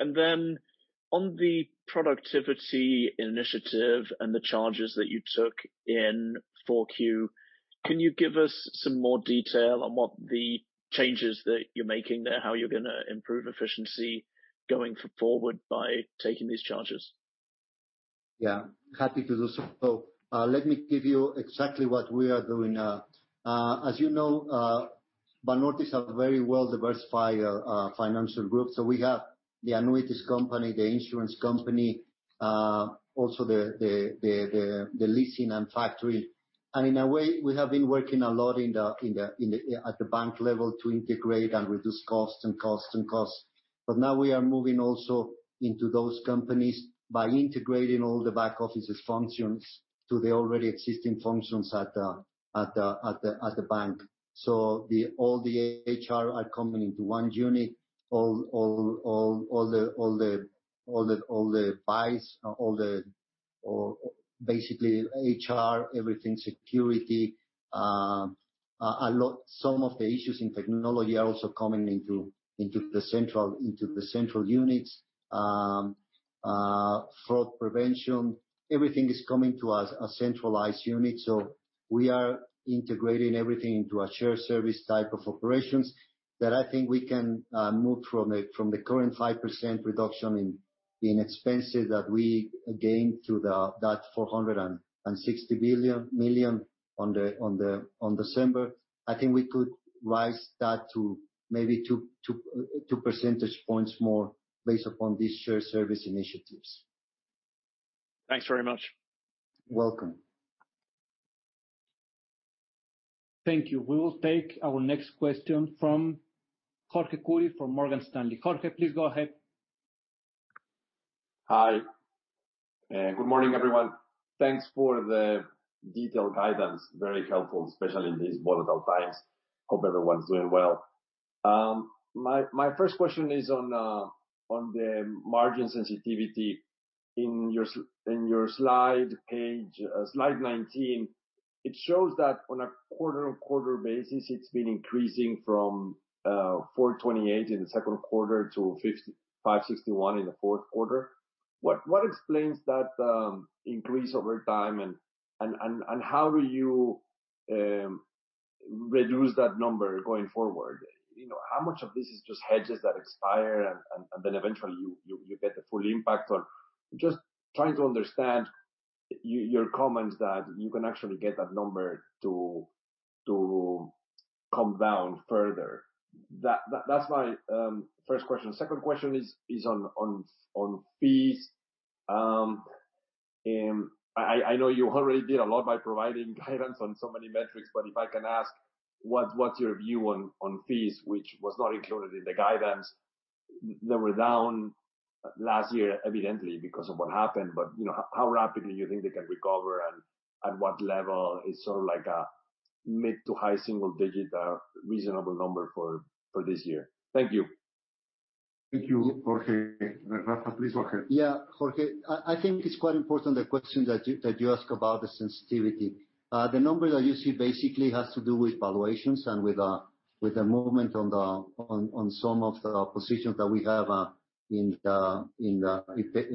On the productivity initiative and the charges that you took in 4Q, can you give us some more detail on what the changes that you're making there, how you're going to improve efficiency going forward by taking these charges? Yeah, happy to do so. Let me give you exactly what we are doing. As you know, Banorte is a very well-diversified financial group. We have the annuities company, the insurance company, also the leasing and factoring. In a way, we have been working a lot at the bank level to integrate and reduce costs. Now we are moving also into those companies by integrating all the back office functions to the already existing functions at the bank. All the HR are coming into one unit. Basically HR, everything security. Some of the issues in technology are also coming into the central units. Fraud prevention. Everything is coming to a centralized unit. We are integrating everything into a shared service type of operations, that I think we can move from the current 5% reduction in expenses that we gained through that 460 million on December. I think we could rise that to maybe two percentage points more based upon these shared service initiatives. Thanks very much. Welcome. Thank you. We will take our next question from Jorge Kuri from Morgan Stanley. Jorge, please go ahead. Hi, good morning, everyone. Thanks for the detailed guidance. Very helpful, especially in these volatile times. Hope everyone's doing well. My first question is on the margin sensitivity. In your slide 19, it shows that on a quarter-on-quarter basis, it's been increasing from 428 in the second quarter to 561 in the fourth quarter. What explains that increase over time, and how will you reduce that number going forward? How much of this is just hedges that expire, and then eventually you get the full impact? Just trying to understand your comments that you can actually get that number to come down further. That's my first question. Second question is on fees. If I can ask, what's your view on fees, which was not included in the guidance? They were down last year, evidently, because of what happened. How rapidly do you think they can recover, and what level is a mid to high single digit reasonable number for this year? Thank you. Thank you, Jorge. Rafael, please go ahead. Yeah. Jorge, I think it's quite important, the question that you asked about the sensitivity. The number that you see basically has to do with valuations and with the movement on some of the positions that we have in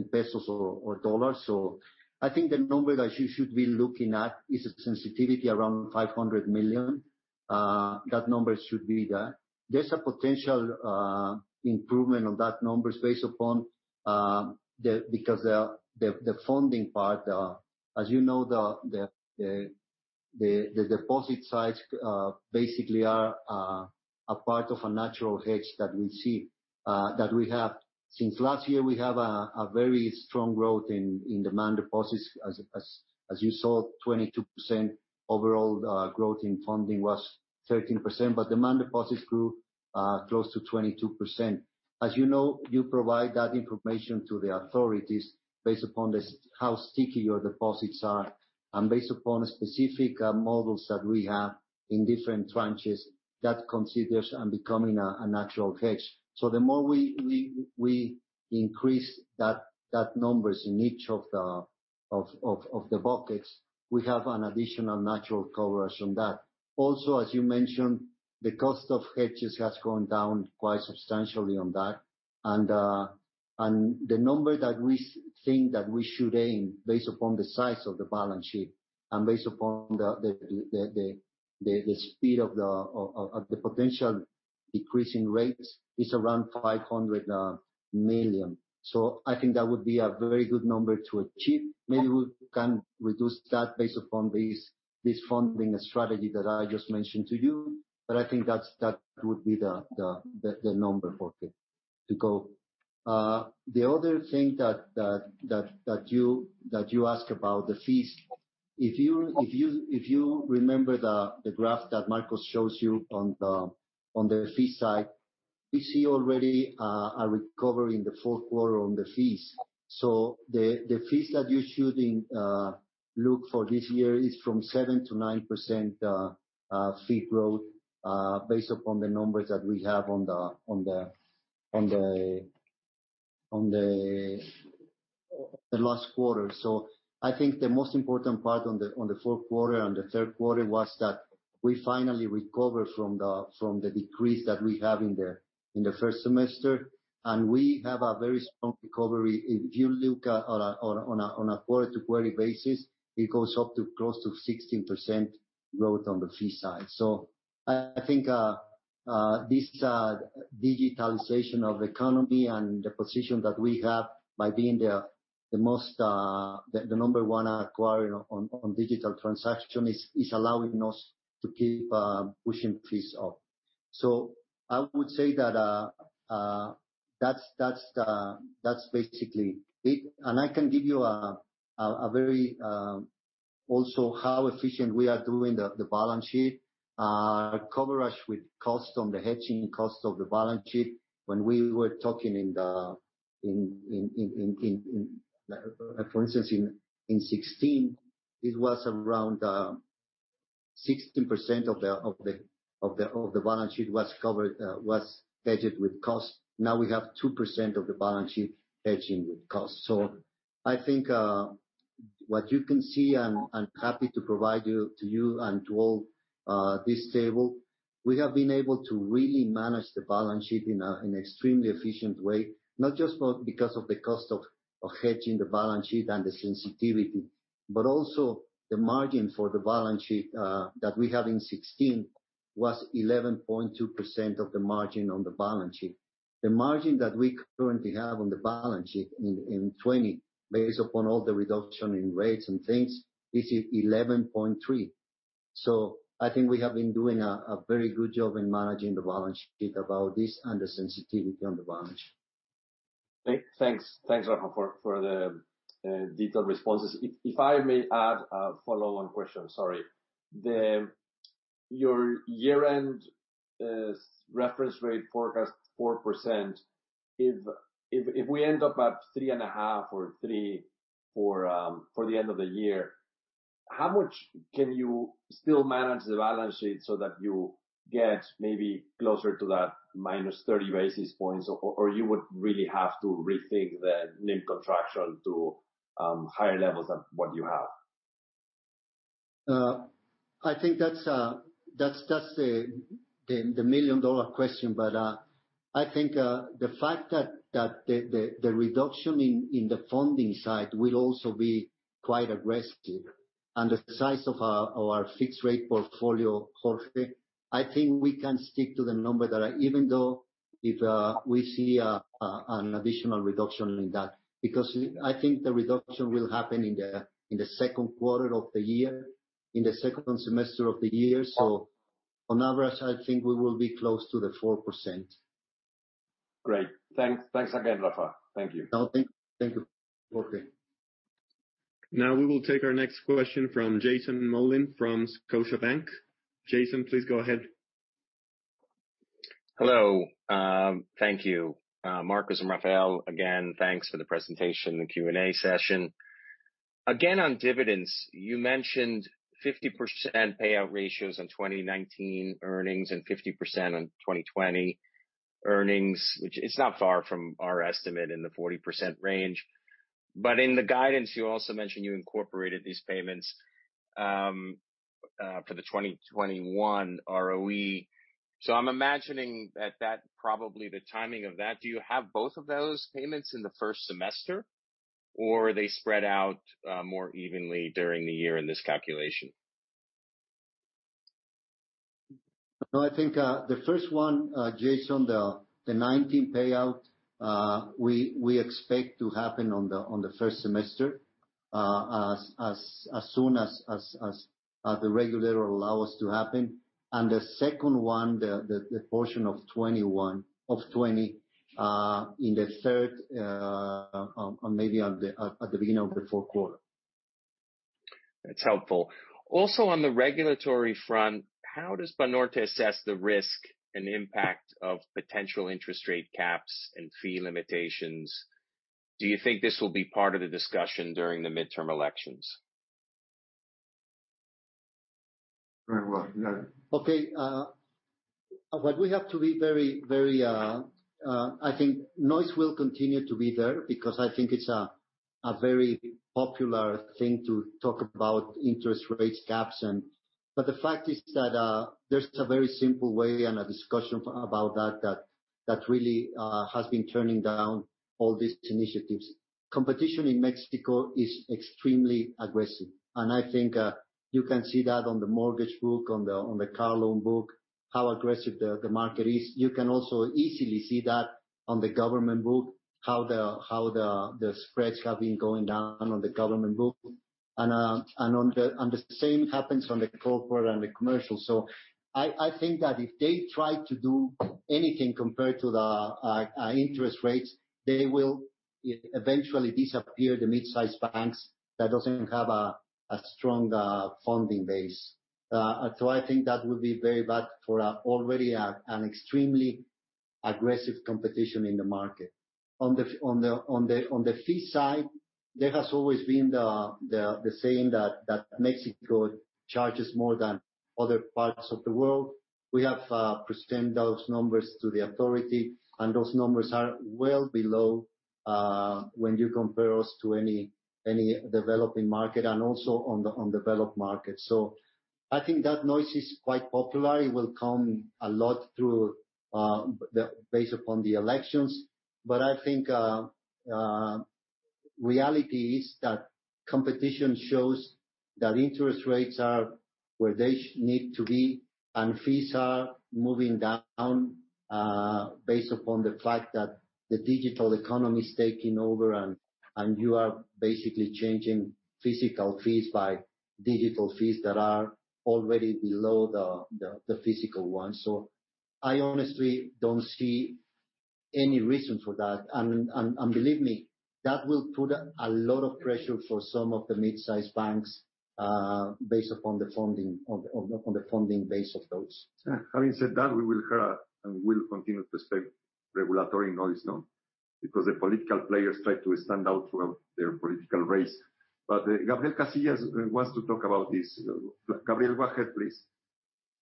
pesos or US dollars. I think the number that you should be looking at is a sensitivity around 500 million. That number should be there. There's a potential improvement on that number because the funding part. As you know, the deposit sides basically are a part of a natural hedge that we have. Since last year, we have a very strong growth in demand deposits. As you saw, 22% overall growth in funding was 13%, but demand deposits grew close to 22%. As you know, you provide that information to the authorities based upon how sticky your deposits are, and based upon specific models that we have in different tranches that considers and becoming a natural hedge. The more we increase that numbers in each of the buckets, we have an additional natural coverage on that. Also, as you mentioned, the cost of hedges has gone down quite substantially on that. The number that we think that we should aim, based upon the size of the balance sheet and based upon the speed of the potential decrease in rates, is around 500 million. I think that would be a very good number to achieve. Maybe we can reduce that based upon this funding strategy that I just mentioned to you. I think that would be the number for it to go. The other thing that you asked about, the fees. If you remember the graph that Marcos shows you on the fee side, we see already a recovery in the fourth quarter on the fees. The fees that you should look for this year is from 7%-9% fee growth, based upon the numbers that we have on the last quarter. I think the most important part on the fourth quarter and the third quarter was that we finally recover from the decrease that we have in the first semester, and we have a very strong recovery. If you look on a quarter-to-quarter basis, it goes up to close to 16% growth on the fee side. This digitalization of the economy and the position that we have by being the number one acquirer on digital transaction is allowing us to keep pushing fees up. I would say that's basically it. I can give you also how efficient we are doing the balance sheet coverage with cost on the hedging, cost of the balance sheet. When we were talking, for instance, in 2016, it was around 16% of the balance sheet was hedged with cost. Now we have 2% of the balance sheet hedging with cost. I think what you can see, and I'm happy to provide to you and to all this table, we have been able to really manage the balance sheet in an extremely efficient way. Not just because of the cost of hedging the balance sheet and the sensitivity, but also the margin for the balance sheet that we have in 2016 was 11.2% of the margin on the balance sheet. The margin that we currently have on the balance sheet in 2020, based upon all the reduction in rates and things, is 11.3%. I think we have been doing a very good job in managing the balance sheet about this and the sensitivity on the balance sheet. Thanks, Rafael, for the detailed responses. I may add a follow-on question, sorry. Your year-end reference rate forecast 4%, if we end up at 3.5% or 3% for the end of the year, how much can you still manage the balance sheet so that you get maybe closer to that -30 basis points? You would really have to rethink the NIM contraction to higher levels than what you have? I think that's the million-dollar question. I think the fact that the reduction in the funding side will also be quite aggressive, and the size of our fixed rate portfolio, Jorge, I think we can stick to the number that I Even though if we see an additional reduction in that. I think the reduction will happen in the second quarter of the year, in the second semester of the year. On average, I think we will be close to the 4%. Great. Thanks again, Rafael. Thank you. No, thank you, Jorge. Now we will take our next question from Jason Mollin from Scotiabank. Jason, please go ahead. Hello. Thank you. Marcos and Rafael, again, thanks for the presentation, the Q&A session. Again, on dividends, you mentioned 50% payout ratios on 2019 earnings and 50% on 2020 earnings, which is not far from our estimate in the 40% range. In the guidance, you also mentioned you incorporated these payments for the 2021 ROE. I'm imagining at that, probably the timing of that, do you have both of those payments in the first semester? Or are they spread out more evenly during the year in this calculation? No, I think the first one, Jason, the 2019 payout, we expect to happen on the first semester, as soon as the regulator allows us to happen. The second one, the portion of 2020, in the third or maybe at the beginning of the fourth quarter. That's helpful. Also, on the regulatory front, how does Banorte assess the risk and impact of potential interest rate caps and fee limitations? Do you think this will be part of the discussion during the midterm elections? Rafael, you got it. Okay. I think noise will continue to be there because I think it's a very popular thing to talk about interest rates caps. The fact is that there's a very simple way and a discussion about that that really has been turning down all these initiatives. Competition in Mexico is extremely aggressive, and I think you can see that on the mortgage book, on the car loan book, how aggressive the market is. You can also easily see that on the government book, how the spreads have been going down on the government book. The same happens on the corporate and the commercial. I think that if they try to do anything compared to the interest rates, they will eventually disappear, the midsize banks that doesn't have a strong funding base. I think that would be very bad for already an extremely aggressive competition in the market. On the fee side, there has always been the saying that Mexico charges more than other parts of the world. We have presented those numbers to the authority, and those numbers are well below when you compare us to any developing market and also on developed markets. I think that noise is quite popular. It will come a lot based upon the elections. Reality is that competition shows that interest rates are where they need to be, and fees are moving down based upon the fact that the digital economy is taking over and you are basically changing physical fees by digital fees that are already below the physical ones. I honestly don't see any reason for that. Believe me, that will put a lot of pressure for some of the mid-size banks based upon the funding base of those. Having said that, we will hear and we will continue to expect regulatory noise though, because the political players try to stand out for their political race. Gabriel Casillas wants to talk about this. Gabriel, go ahead, please.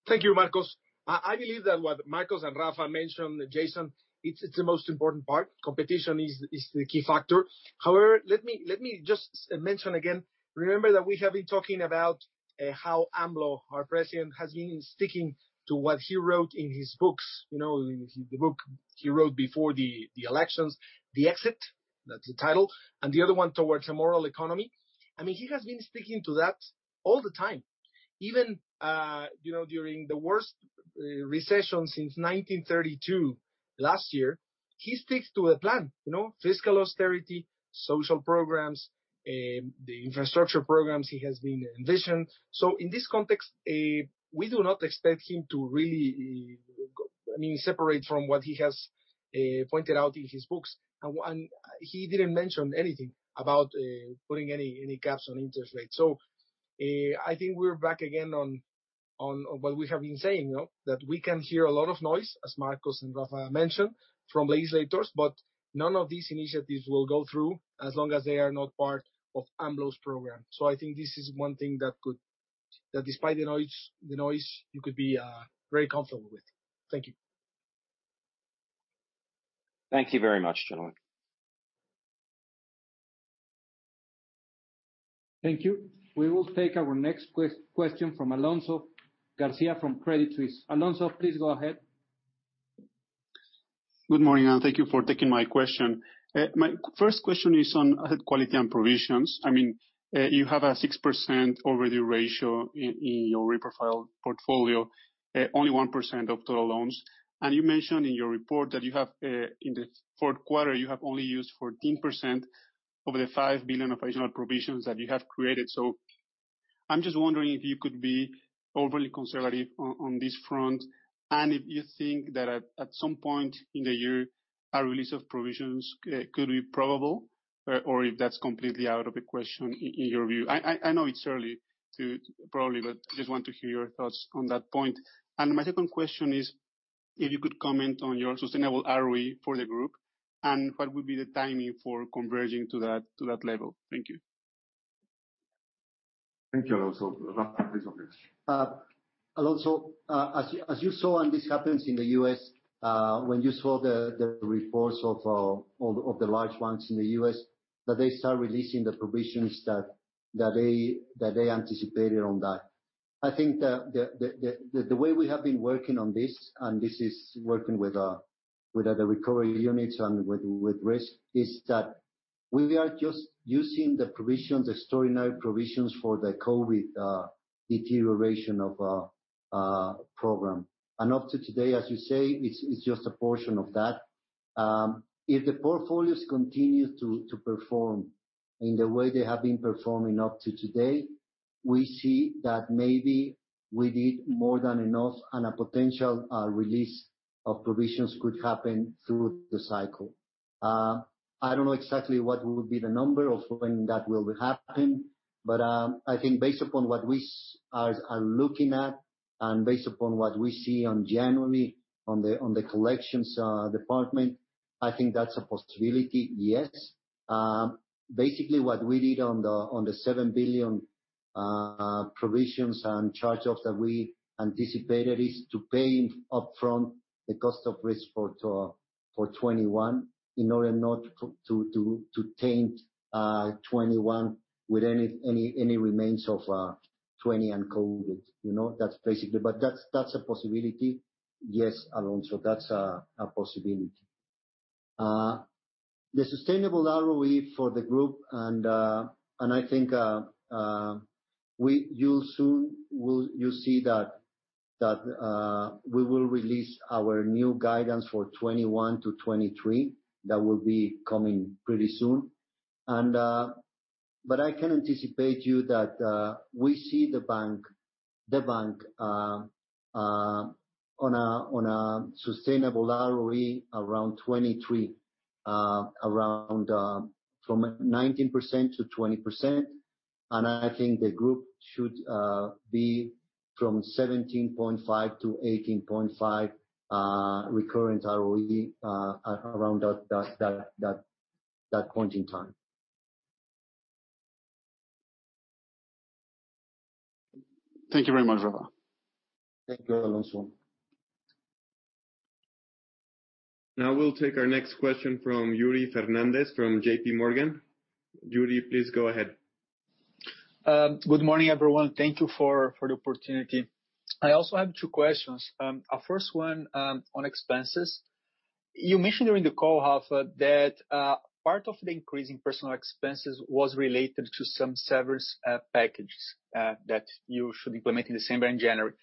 Thank you, Marcos. I believe that what Marcos and Rafael mentioned, Jason, it's the most important part. Competition is the key factor. Let me just mention again, remember that we have been talking about how AMLO, our president, has been sticking to what he wrote in his books. In the book he wrote before the elections, "The Exit," that's the title, and the other one, "Towards a Moral Economy." He has been sticking to that all the time. Even during the worst recession since 1932 last year, he sticks to a plan. Fiscal austerity, social programs, the infrastructure programs he has envisioned. In this context, we do not expect him to really separate from what he has pointed out in his books. He didn't mention anything about putting any caps on interest rates. I think we're back again on what we have been saying. That we can hear a lot of noise, as Marcos and Rafael mentioned, from legislators, but none of these initiatives will go through as long as they are not part of AMLO's program. I think this is one thing that despite the noise, you could be very comfortable with. Thank you. Thank you very much, gentlemen. Thank you. We will take our next question from Alonso Garcia from Credit Suisse. Alonso, please go ahead. Good morning. Thank you for taking my question. My first question is on quality and provisions. You have a 6% overdue ratio in your reprofiled portfolio, only 1% of total loans. You mentioned in your report that in the fourth quarter, you have only used 14% of the 5 billion operational provisions that you have created. I'm just wondering if you could be overly conservative on this front, and if you think that at some point in the year, a release of provisions could be probable, or if that's completely out of the question in your view. I know it's early to probably, just want to hear your thoughts on that point. My second question is, if you could comment on your sustainable ROE for the group and what would be the timing for converging to that level. Thank you. Thank you, Alonso. Rafael, please go ahead. Alonso, as you saw, and this happens in the U.S., when you saw the reports of the large banks in the U.S., that they start releasing the provisions that they anticipated on that. I think that the way we have been working on this, and this is working with the recovery units and with risk, is that we are just using the provisions, the extraordinary provisions for the COVID deterioration of program. Up to today, as you say, it's just a portion of that. If the portfolios continue to perform in the way they have been performing up to today, we see that maybe we did more than enough and a potential release of provisions could happen through the cycle. I don't know exactly what would be the number or when that will happen. I think based upon what we are looking at and based upon what we see on January on the collections department, I think that's a possibility, yes. Basically, what we did on the 7 billion provisions and charge-offs that we anticipated is to pay upfront the cost of risk for 2021 in order not to taint 2021 with any remains of 2020 and COVID. That's a possibility. Yes, Alonso, that's a possibility. The sustainable ROE for the group. I think you'll see that we will release our new guidance for 2021-2023. That will be coming pretty soon. I can anticipate you that we see the bank on a sustainable ROE around 2023, from 19%-20%. I think the group should be from 17.5%-18.5% recurrent ROE around that point in time. Thank you very much, Rafael. Thank you, Alonso. Now we'll take our next question from Yuri Fernandes from JPMorgan. Yuri, please go ahead. Good morning, everyone. Thank you for the opportunity. I also have two questions. First one on expenses. You mentioned during the call, Rafael, that part of the increase in personal expenses was related to some severance packages that you should implement in December and January.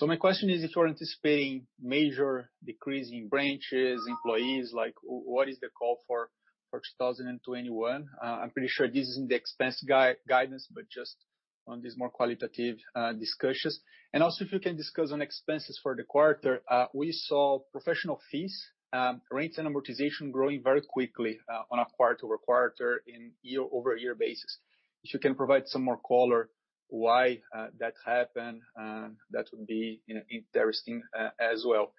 My question is if you're anticipating major decrease in branches, employees, like what is the call for 2021? I'm pretty sure this is in the expense guidance, but just on these more qualitative discussions. If you can discuss on expenses for the quarter. We saw professional fees, rents, and amortization growing very quickly on a quarter-over-quarter and year-over-year basis. If you can provide some more color why that happened, that would be interesting as well.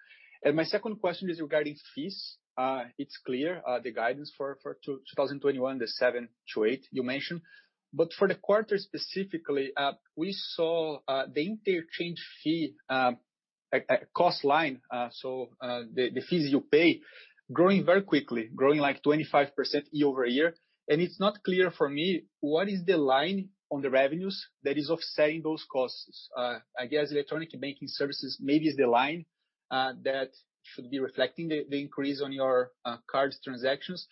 My second question is regarding fees. It's clear, the guidance for 2021, the 7%-8% you mentioned. For the quarter specifically, we saw the interchange fee, cost line, so the fees you pay, growing very quickly, like 25% year-over-year. It's not clear for me what is the line on the revenues that is offsetting those costs. I guess electronic banking services maybe is the line that should be reflecting the increase on your cards transactions.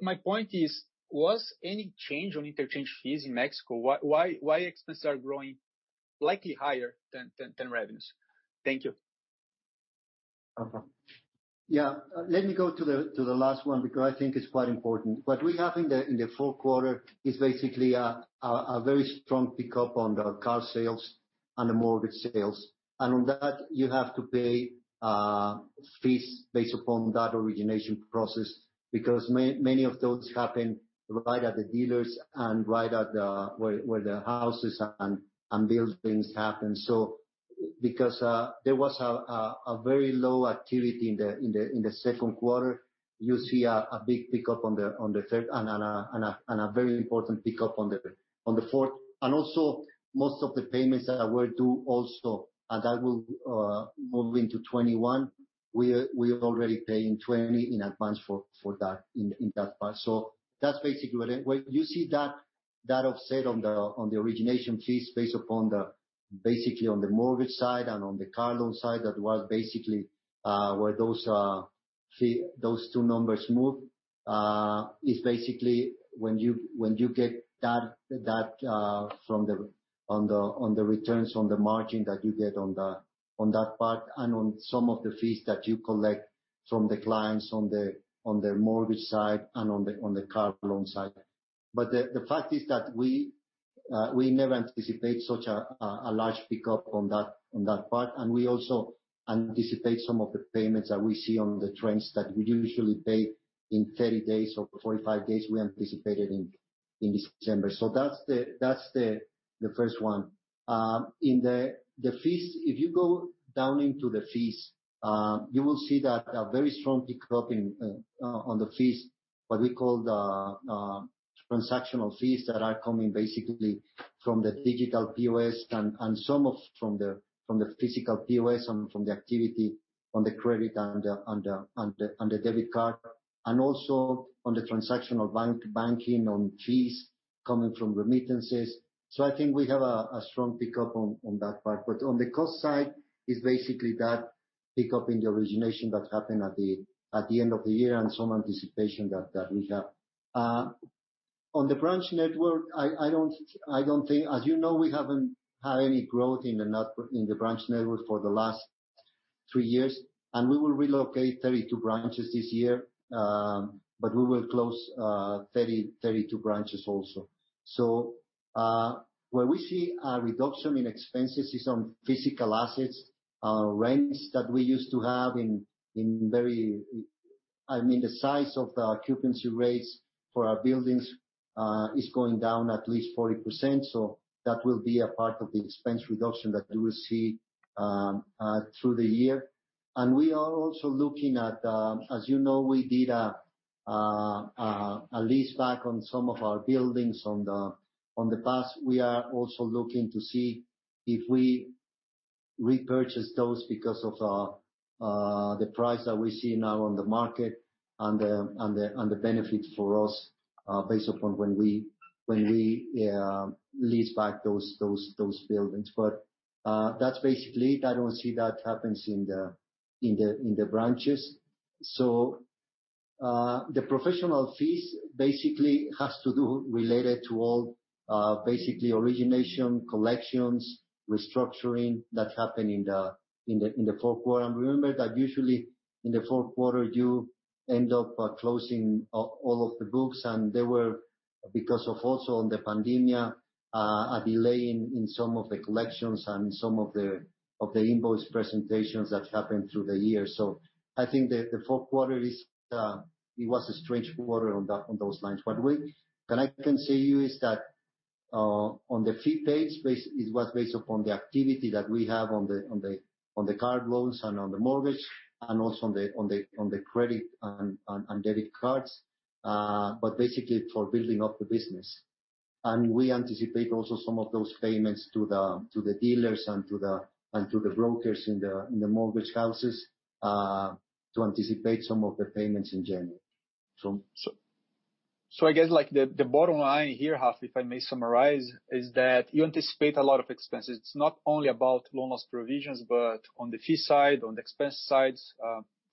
My point is, was any change on interchange fees in Mexico? Why expenses are growing slightly higher than revenues? Thank you. Yeah. Let me go to the last one because I think it's quite important. What we have in the fourth quarter is basically a very strong pickup on the car loans and the mortgage loans. On that, you have to pay fees based upon that origination process, because many of those happen right at the dealers and right where the houses and buildings happen. Because there was a very low activity in the second quarter, you see a big pickup on the third and a very important pickup on the fourth. Also, most of the payments that were due also, and that will move into 2021, we are already paying 2020 in advance for that in that part. That's basically You see that offset on the origination fees based upon basically on the mortgage side and on the car loan side. That was basically where those two numbers move. It's basically when you get that on the returns on the margin that you get on that part and on some of the fees that you collect from the clients on the mortgage side and on the car loan side. The fact is that we never anticipate such a large pickup on that part, and we also anticipate some of the payments that we see on the trends that we usually pay in 30 days or 45 days, we anticipated in December. That's the first one. In the fees, if you go down into the fees, you will see that a very strong pickup on the fees, what we call the transactional fees that are coming basically from the digital POS and some from the physical POS and from the activity on the credit and the debit card, and also on the transactional banking on fees coming from remittances. I think we have a strong pickup on that part. On the cost side, it's basically that pickup in the origination that happened at the end of the year and some anticipation that we have. On the branch network, as you know, we haven't had any growth in the branch network for the last three years, and we will relocate 32 branches this year, but we will close 32 branches also. Where we see a reduction in expenses is on physical assets, rents that we used to have. I mean, the size of the occupancy rates for our buildings is going down at least 40%. That will be a part of the expense reduction that you will see through the year. We are also looking at, as you know, we did a lease back on some of our buildings in the past. We are also looking to see if we repurchase those because of the price that we see now on the market and the benefit for us based upon when we leased back those buildings. That's basically it. I don't see that happens in the branches. The professional fees basically has to do related to all origination, collections, restructuring that happened in the fourth quarter. Remember that usually in the fourth quarter, you end up closing all of the books. There were, because of also on the pandemic, a delay in some of the collections and some of the invoice presentations that happened through the year. I think the fourth quarter it was a strange quarter on those lines. What I can say you is that, on the fee page, it was based upon the activity that we have on the car loans and on the mortgage, and also on the credit and debit cards, but basically for building up the business. We anticipate also some of those payments to the dealers and to the brokers in the mortgage houses to anticipate some of the payments in January. I guess the bottom line here, Rafael, if I may summarize, is that you anticipate a lot of expenses. It is not only about loan loss provisions, but on the fee side, on the expense sides,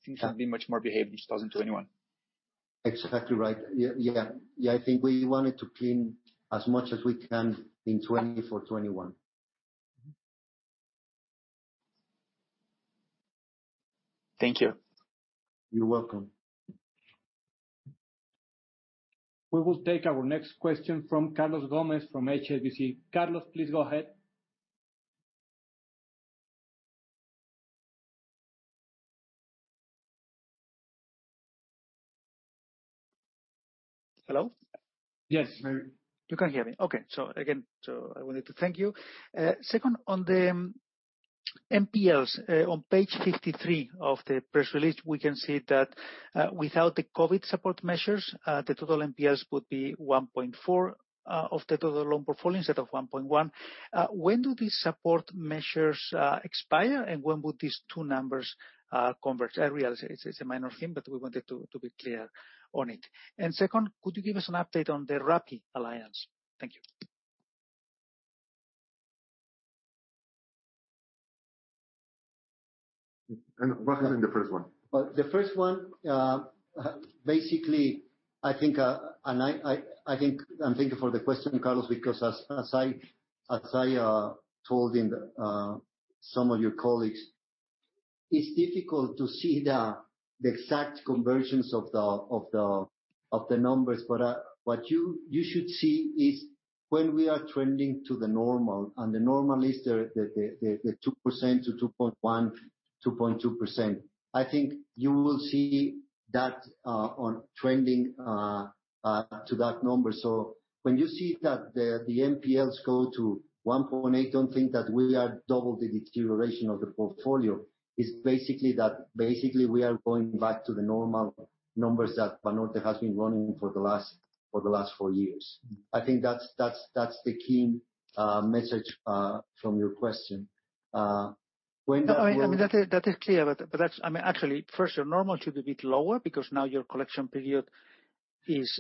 things have been much more behaved in 2021. Exactly right. Yeah. I think we wanted to clean as much as we can in 2020 for 2021. Thank you. You're welcome. We will take our next question from Carlos Gomez-Lopez from HSBC. Carlos, please go ahead. Hello? Yes. You can hear me, okay. Again, I wanted to thank you. Second, on the NPLs, on page 53 of the press release, we can see that without the COVID support measures, the total NPLs would be 1.4% of the total loan portfolio instead of 1.1%. When do these support measures expire, and when would these two numbers converge? I realize it's a minor thing, but we wanted to be clear on it. Second, could you give us an update on the Rappi alliance? Thank you. What is in the first one? The first one, basically, and I'm thankful for the question, Carlos, because as I told some of your colleagues, it's difficult to see the exact conversions of the numbers. What you should see is when we are trending to the normal, and the normal is the 2%-2.1%, 2.2%. I think you will see that on trending to that number. When you see that the NPLs go to 1.8%, don't think that we are double the deterioration of the portfolio, is basically we are going back to the normal numbers that Banorte has been running for the last four years. I think that's the key message from your question. No, that is clear. Actually, first, your normal should be a bit lower because now your collection period,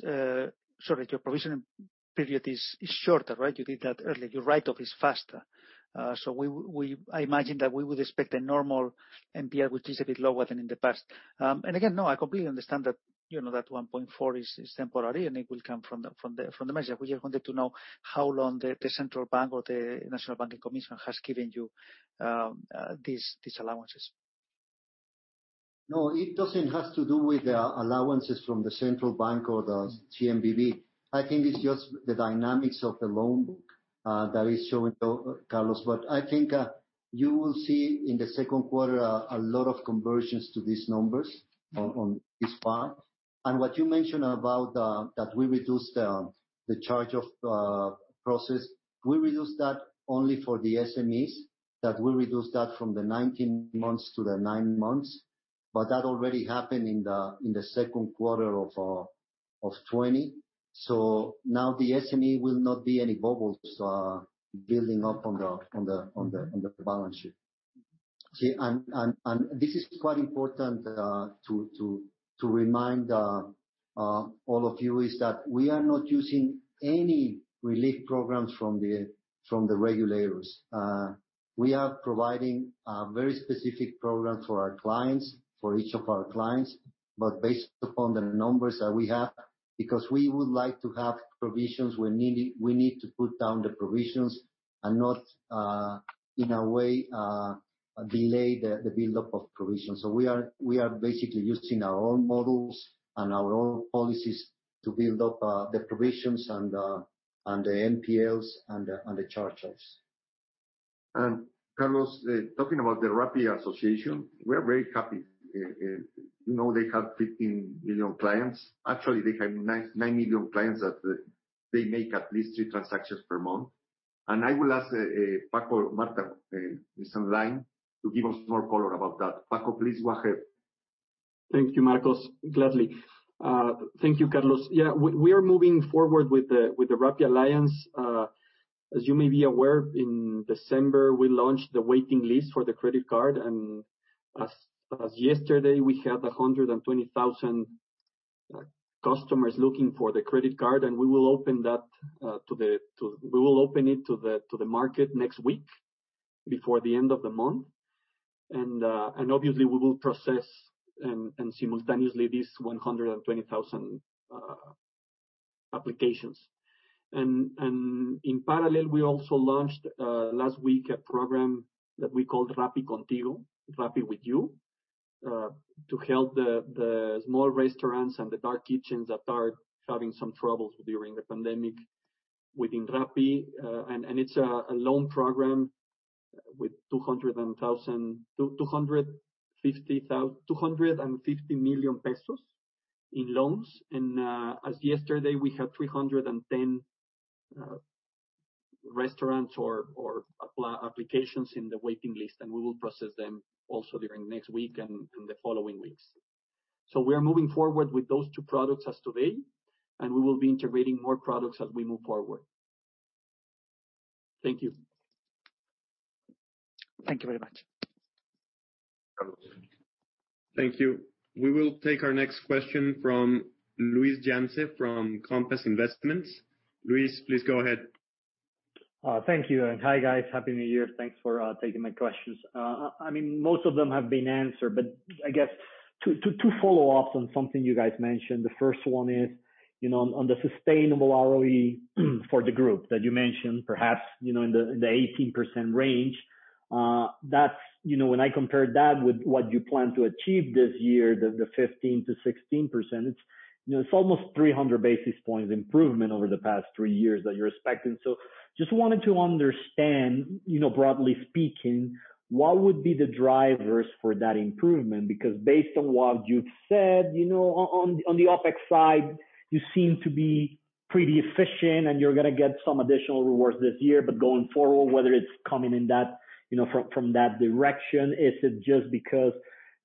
sorry, your provisioning period is shorter. You did that earlier. Your write-off is faster. I imagine that we would expect a normal NPL, which is a bit lower than in the past. Again, no, I completely understand that 1.4% is temporary, and it will come from the measure. We just wanted to know how long the Central Bank or the National Banking Commission has given you these allowances. No, it doesn't have to do with the allowances from the Central Bank or the CNBV. I think it's just the dynamics of the loan book that is showing, Carlos. I think you will see in the second quarter a lot of conversions to these numbers on this part. What you mentioned about that we reduced the charge-off process, we reduced that only for the SMEs, that we reduced that from the 19 months to the 9 months. That already happened in the second quarter of 2020. Now the SME will not be any bubbles building up on the balance sheet. This is quite important to remind all of you, is that we are not using any relief programs from the regulators. We are providing very specific programs for our clients, for each of our clients, but based upon the numbers that we have, because we would like to have provisions where we need to put down the provisions and not, in a way, delay the build-up of provisions. We are basically using our own models and our own policies to build up the provisions and the NPLs and the charge-offs. Carlos, talking about the Rappi association, we are very happy. They have 15 million clients. Actually, they have nine million clients that they make at least three transactions per month. I will ask Paco Martha is online to give us more color about that. Paco, please go ahead. Thank you, Marcos. Gladly. Thank you, Carlos. Yeah, we are moving forward with the Rappi alliance. As you may be aware, in December, we launched the waiting list for the credit card, and as of yesterday, we had 120,000 customers looking for the credit card, and we will open it to the market next week before the end of the month. Obviously, we will process and simultaneously these 120,000 applications. In parallel, we also launched last week a program that we called Rappi Contigo, Rappi With You, to help the small restaurants and the dark kitchens that are having some troubles during the pandemic within Rappi. It's a loan program with 250 million pesos in loans. As yesterday, we had 310 restaurants or applications in the waiting list, and we will process them also during next week and the following weeks. We are moving forward with those two products as today, and we will be integrating more products as we move forward. Thank you. Thank you very much. Thank you. We will take our next question from Luis Yance from Compass Investments. Luis, please go ahead. Thank you, and hi, guys. Happy New Year. Thanks for taking my questions. Most of them have been answered, but I guess two follow-ups on something you guys mentioned. The first one is on the sustainable ROE for the group that you mentioned, perhaps in the 18% range. When I compared that with what you plan to achieve this year, the 15%-16%, it's almost 300 basis points improvement over the past three years that you're expecting. Just wanted to understand, broadly speaking, what would be the drivers for that improvement? Because based on what you've said, on the OPEX side, you seem to be pretty efficient, and you're going to get some additional rewards this year, but going forward, whether it's coming from that direction, is it just because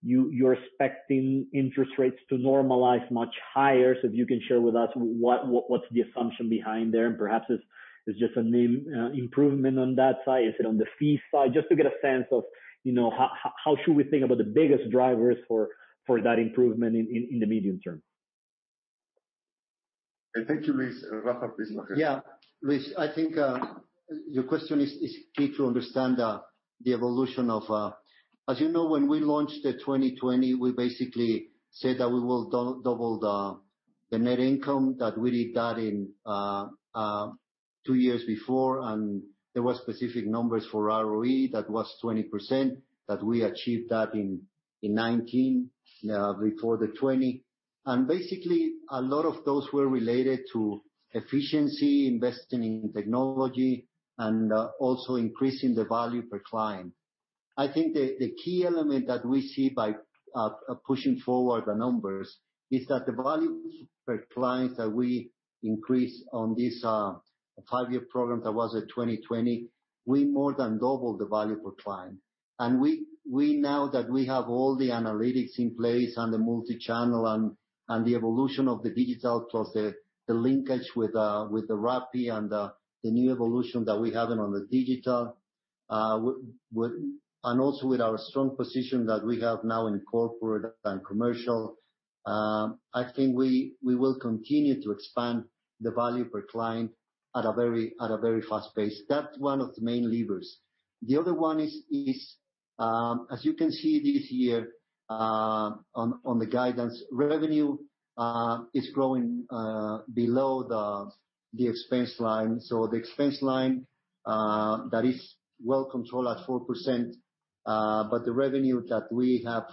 you're expecting interest rates to normalize much higher? If you can share with us what's the assumption behind there, and perhaps it's just an improvement on that side. Is it on the fee side? Just to get a sense of how should we think about the biggest drivers for that improvement in the medium term. Thank you, Luis. Rafael, please go ahead. Yeah. Luis, I think your question is key to understand the evolution. As you know, when we launched the 2020, we basically said that we will double the net income, that we did that in two years before. There were specific numbers for ROE. That was 20%, that we achieved that in 2019, before the 2020. Basically, a lot of those were related to efficiency, investing in technology, and also increasing the value per client. I think the key element that we see by pushing forward the numbers is that the value per client that we increased on this five-year program that was at 2020, we more than doubled the value per client. Now that we have all the analytics in place and the multi-channel and the evolution of the digital plus the linkage with Rappi and the new evolution that we're having on the digital, and also with our strong position that we have now in corporate and commercial, I think we will continue to expand the value per client at a very fast pace. That's one of the main levers. The other one is, as you can see this year on the guidance, revenue is growing below the expense line. The expense line, that is well controlled at 4%, but the revenue that we have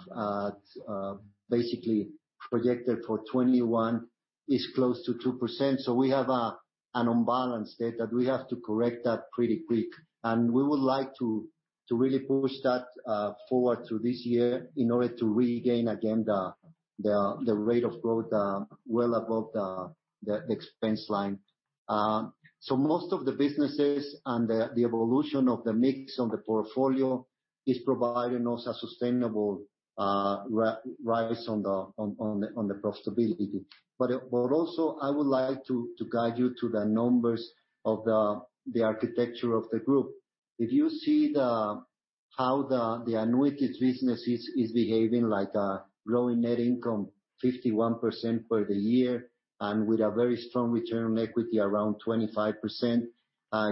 basically projected for 2021 is close to 2%. We have an imbalance there that we have to correct that pretty quick. We would like to really push that forward through this year in order to regain, again, the rate of growth well above the expense line. Most of the businesses and the evolution of the mix of the portfolio is providing us a sustainable rise on the profitability. Also, I would like to guide you to the numbers of the architecture of the group. If you see how the annuities business is behaving, like growing net income 51% for the year, and with a very strong return on equity around 25%.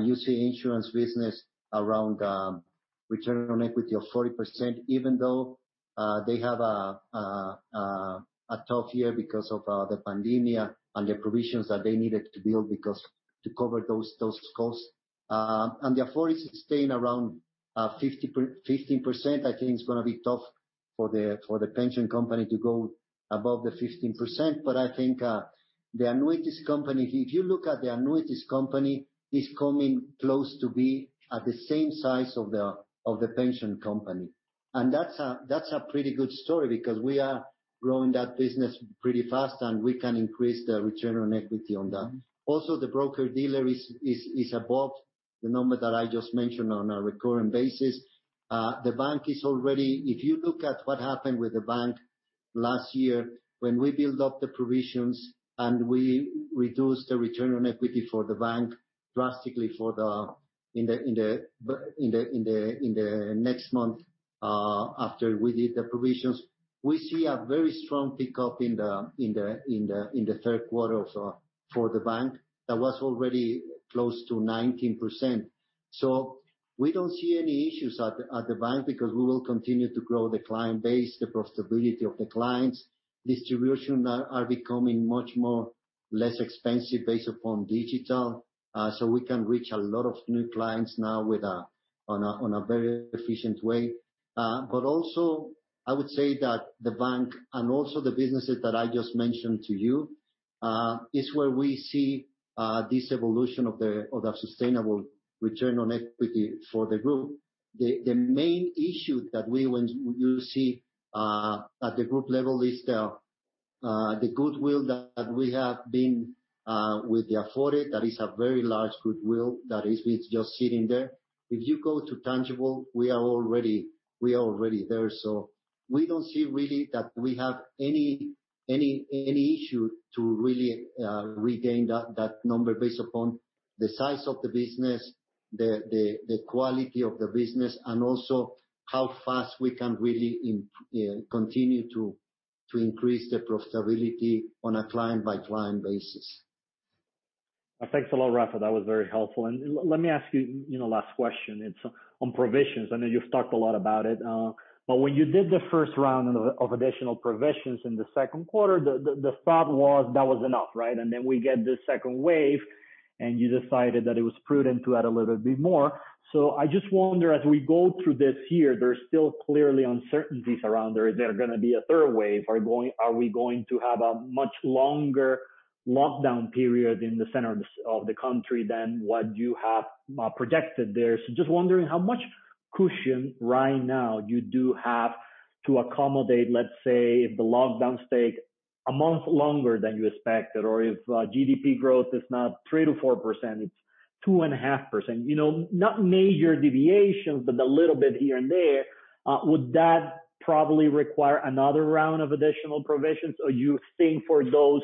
You see insurance business around return on equity of 40%, even though they had a tough year because of the pandemic and the provisions that they needed to build to cover those costs. The Afore is staying around 15%. I think it's going to be tough for the pension company to go above the 15%. I think the annuities company, if you look at the annuities company, is coming close to be at the same size of the pension company. That's a pretty good story because we are growing that business pretty fast, and we can increase the return on equity on that. Also, the broker-dealer is above the number that I just mentioned on a recurring basis. If you look at what happened with the bank last year, when we build up the provisions and we reduced the return on equity for the bank drastically in the next month after we did the provisions, we see a very strong pickup in the third quarter for the bank that was already close to 19%. We don't see any issues at the bank because we will continue to grow the client base, the profitability of the clients. Distribution are becoming much more less expensive based upon digital. We can reach a lot of new clients now on a very efficient way. Also, I would say that the bank and also the businesses that I just mentioned to you is where we see this evolution of the sustainable return on equity for the group. The main issue that you see at the group level is the goodwill that we have been with the Afore, that is a very large goodwill that is with just sitting there. If you go to tangible, we are already there. We don't see really that we have any issue to really regain that number based upon the size of the business, the quality of the business, and also how fast we can really continue to increase the profitability on a client-by-client basis. Thanks a lot, Rafael. That was very helpful. Let me ask you last question, it's on provisions. When you did the first round of additional provisions in the second quarter, the thought was that was enough, right? Then we get this second wave, and you decided that it was prudent to add a little bit more. I just wonder, as we go through this year, there's still clearly uncertainties around, is there going to be a third wave? Are we going to have a much longer lockdown period in the center of the country than what you have projected there? Just wondering how much cushion right now you do have to accommodate, let's say, if the lockdowns take a month longer than you expected, or if GDP growth is not 3%-4%, it's 2.5%. Not major deviations, but a little bit here and there. Would that probably require another round of additional provisions, or you think for those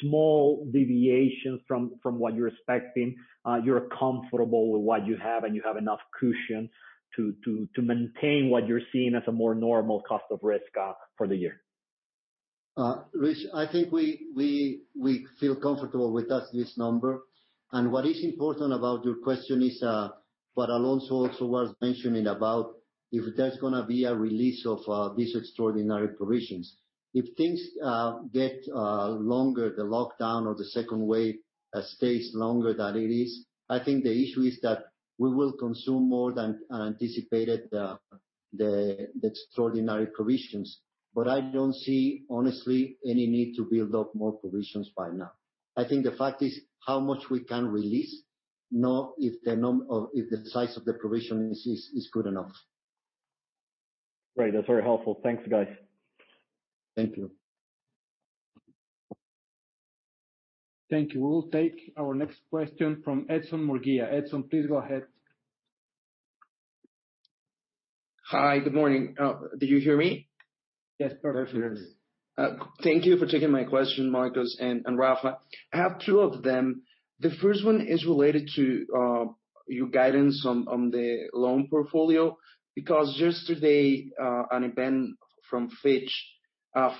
small deviations from what you're expecting, you're comfortable with what you have, and you have enough cushion to maintain what you're seeing as a more normal cost of risk for the year? Luis, I think we feel comfortable with this number. What is important about your question is what Alonso also was mentioning about if there's going to be a release of these extraordinary provisions. If things get longer, the lockdown or the second wave stays longer than it is, I think the issue is that we will consume more than anticipated the extraordinary provisions. I don't see, honestly, any need to build up more provisions by now. I think the fact is how much we can release, not if the size of the provision is good enough. Right. That's very helpful. Thanks, guys. Thank you. Thank you. We'll take our next question from Edson Murguia. Edson, please go ahead. Hi. Good morning. Do you hear me? Yes, perfect. We hear you. Thank you for taking my question, Marcos and Rafael. I have two of them. The first one is related to your guidance on the loan portfolio, because yesterday, an event from Fitch.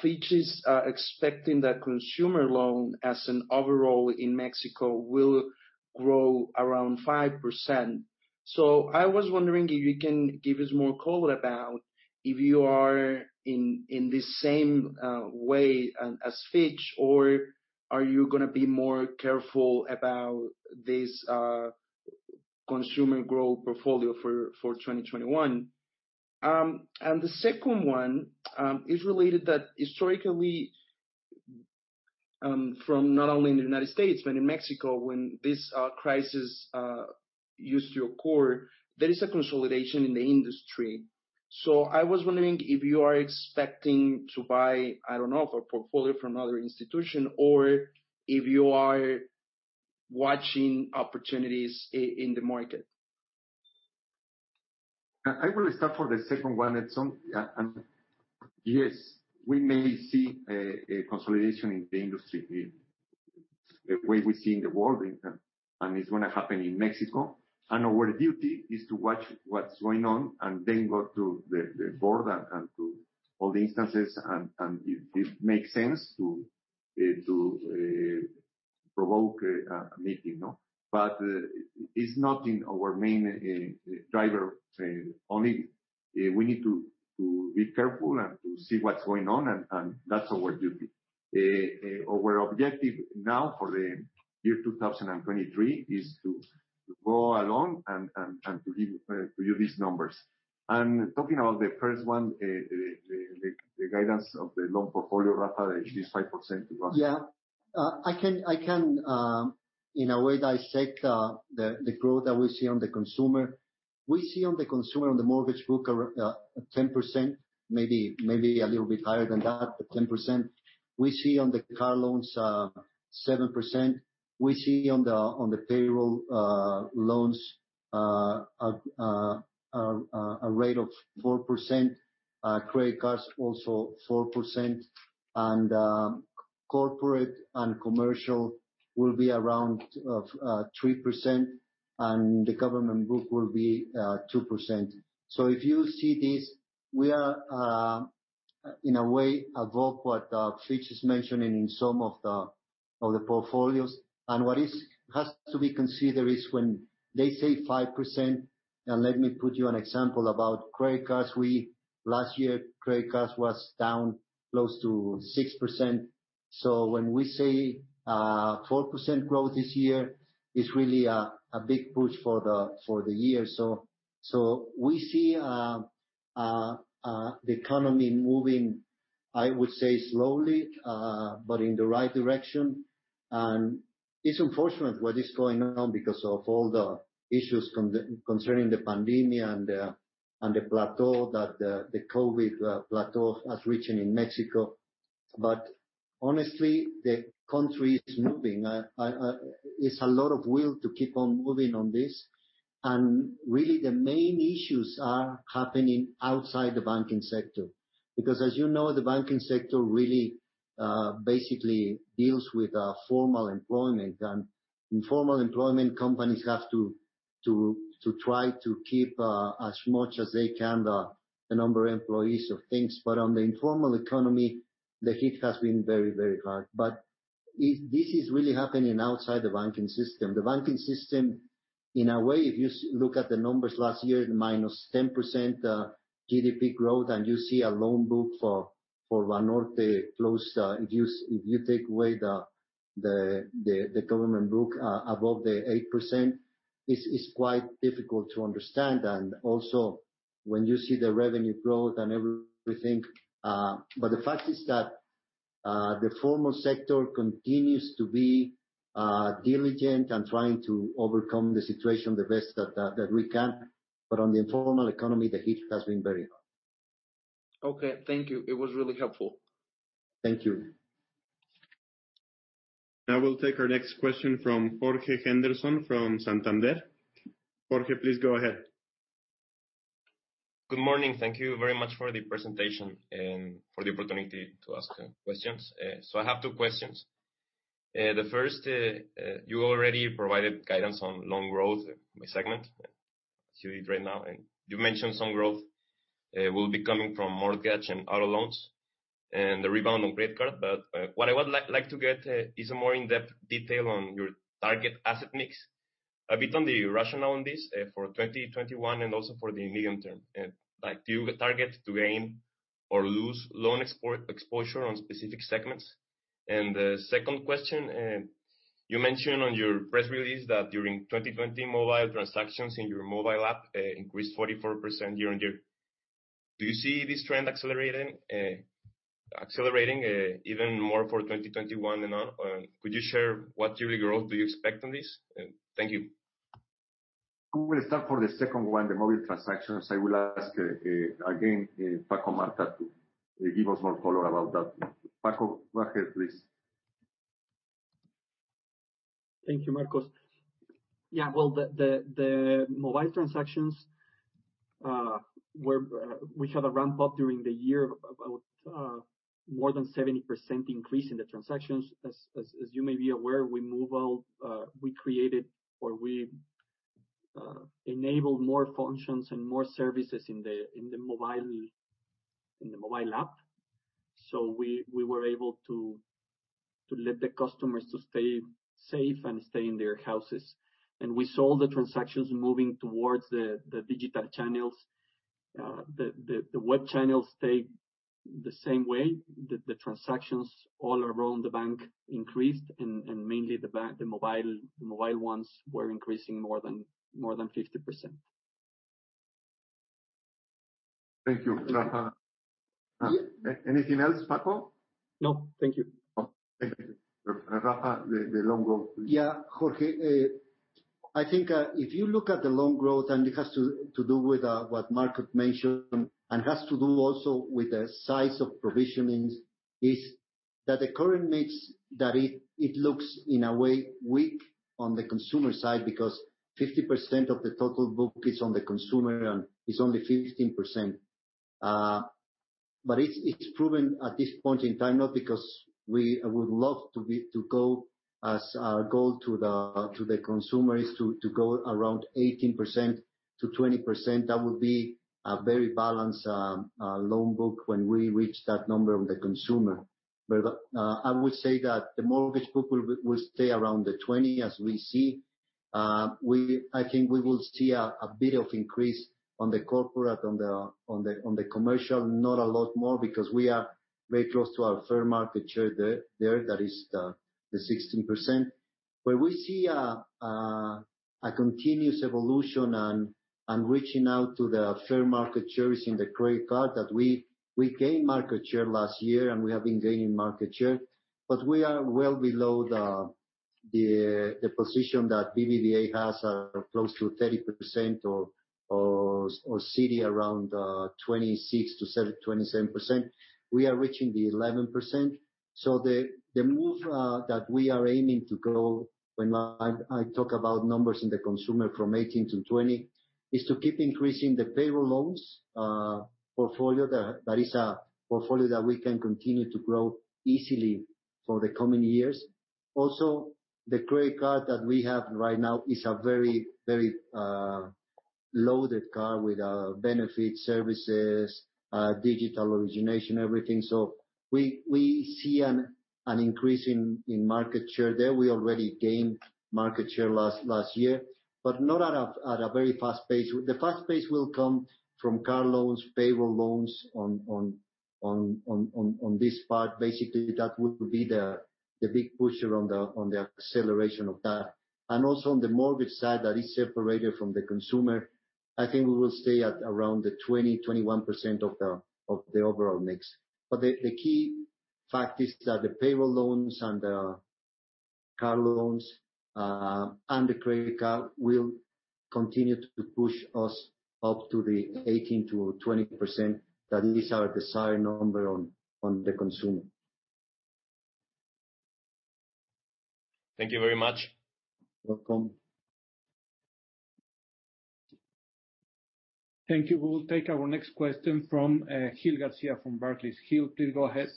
Fitch is expecting that consumer loan as an overall in Mexico will grow around 5%. I was wondering if you can give us more color about if you are in the same way as Fitch, or are you going to be more careful about this consumer growth portfolio for 2021? The second one is related that historically, from not only in the U.S. but in Mexico, when this crisis used to occur, there is a consolidation in the industry. I was wondering if you are expecting to buy, I don't know, a portfolio from another institution, or if you are watching opportunities in the market. I will start for the second one, Edson. We may see a consolidation in the industry the way we see in the world, and it's going to happen in Mexico. Our duty is to watch what's going on and then go to the board and to all the instances, and if it makes sense to provoke a meeting. It's not in our main driver. Only we need to be careful and to see what's going on, and that's our duty. Our objective now for the year 2023 is to go along and to give you these numbers. Talking about the first one, the guidance of the loan portfolio, Rafael, it is 5% to grow. Yeah. I can in a way dissect the growth that we see on the consumer. We see on the consumer, on the mortgage book, 10%, maybe a little bit higher than that, but 10%. We see on the car loans 7%. We see on the payroll loans a rate of 4%. Credit cards also 4%. Corporate and commercial will be around 3%, and the government book will be 2%. If you see this, we are, in a way, above what Fitch is mentioning in some of the portfolios. What has to be considered is when they say 5%, and let me put you an example about credit cards. Last year, credit cards was down close to 6%. When we say 4% growth this year, it's really a big push for the year. We see the economy moving, I would say slowly, but in the right direction. It's unfortunate what is going on because of all the issues concerning the pandemic and the plateau, that the COVID plateau has reached in Mexico. Honestly, the country is moving. There's a lot of will to keep on moving on this. Really the main issues are happening outside the banking sector, because as you know, the banking sector really basically deals with formal employment and informal employment companies have to try to keep as much as they can, the number of employees of things. On the informal economy, the hit has been very hard. This is really happening outside the banking system. The banking system, in a way, if you look at the numbers last year, minus 10% GDP growth, and you see a loan book for Banorte close, if you take away the government book above the 8%, is quite difficult to understand. Also when you see the revenue growth and everything. The fact is that the formal sector continues to be diligent and trying to overcome the situation the best that we can. On the informal economy, the hit has been very hard. Okay. Thank you. It was really helpful. Thank you. Now we'll take our next question from Jorge Henderson from Santander. Jorge, please go ahead. Good morning. Thank you very much for the presentation and for the opportunity to ask questions. I have two questions. The first, you already provided guidance on loan growth by segment. I see it right now, and you mentioned some growth will be coming from mortgage and auto loans and the rebound on credit cards. What I would like to get is a more in-depth detail on your target asset mix, a bit on the rationale on this for 2021 and also for the medium term. Do you target to gain or lose loan exposure on specific segments? The second question, you mentioned on your press release that during 2020, mobile transactions in your mobile app increased 44% year-on-year. Do you see this trend accelerating even more for 2021 and on? Could you share what yearly growth do you expect on this? Thank you. Who will start for the second one, the mobile transactions? I will ask again, Paco Martha to give us more color about that. Paco, go ahead, please. Thank you, Marcos. Yeah. Well, the mobile transactions, we had a ramp-up during the year, about more than 70% increase in the transactions. As you may be aware, we moved, we created or we enabled more functions and more services in the mobile app. We were able to let the customers to stay safe and stay in their houses. We saw the transactions moving towards the digital channels. The web channels stayed the same way. The transactions all around the bank increased, mainly the mobile ones were increasing more than 50%. Thank you, Rafael. Anything else, Paco? No, thank you. Okay. Rafael, the loan growth, please. Jorge, I think if you look at the loan growth and it has to do with what Marcos mentioned, and has to do also with the size of provisionings, is that the current mix, that it looks in a way weak on the consumer side because 50% of the total book is on the consumer and is only 15%. It's proven at this point in time, not because we would love our goal to the consumer is to go around 18%-20%. That would be a very balanced loan book when we reach that number on the consumer. I would say that the mortgage book will stay around the 20% as we see. I think we will see a bit of increase on the corporate, on the commercial, not a lot more because we are very close to our fair market share there. That is the 16%. Where we see a continuous evolution and reaching out to the fair market shares in the credit card that we gained market share last year, and we have been gaining market share, but we are well below the position that BBVA has, close to 30%, or is it around 26%-27%. We are reaching the 11%. The move that we are aiming to grow when I talk about numbers in the consumer from 18%-20%, is to keep increasing the payroll loans portfolio. That is a portfolio that we can continue to grow easily for the coming years. The credit card that we have right now is a very loaded card with benefit services, digital origination, everything. We see an increase in market share there. We already gained market share last year, but not at a very fast pace. The fast pace will come from car loans, payroll loans on this part. Basically, that would be the big pusher on the acceleration of that. Also on the mortgage side, that is separated from the consumer, I think we will stay at around the 20%, 21% of the overall mix. The key fact is that the payroll loans and the car loans and the credit card will continue to push us up to the 18%-20%. That is our desired number on the consumer. Thank you very much. Welcome. Thank you. We will take our next question from Gil Garcia from Barclays. Gil, please go ahead.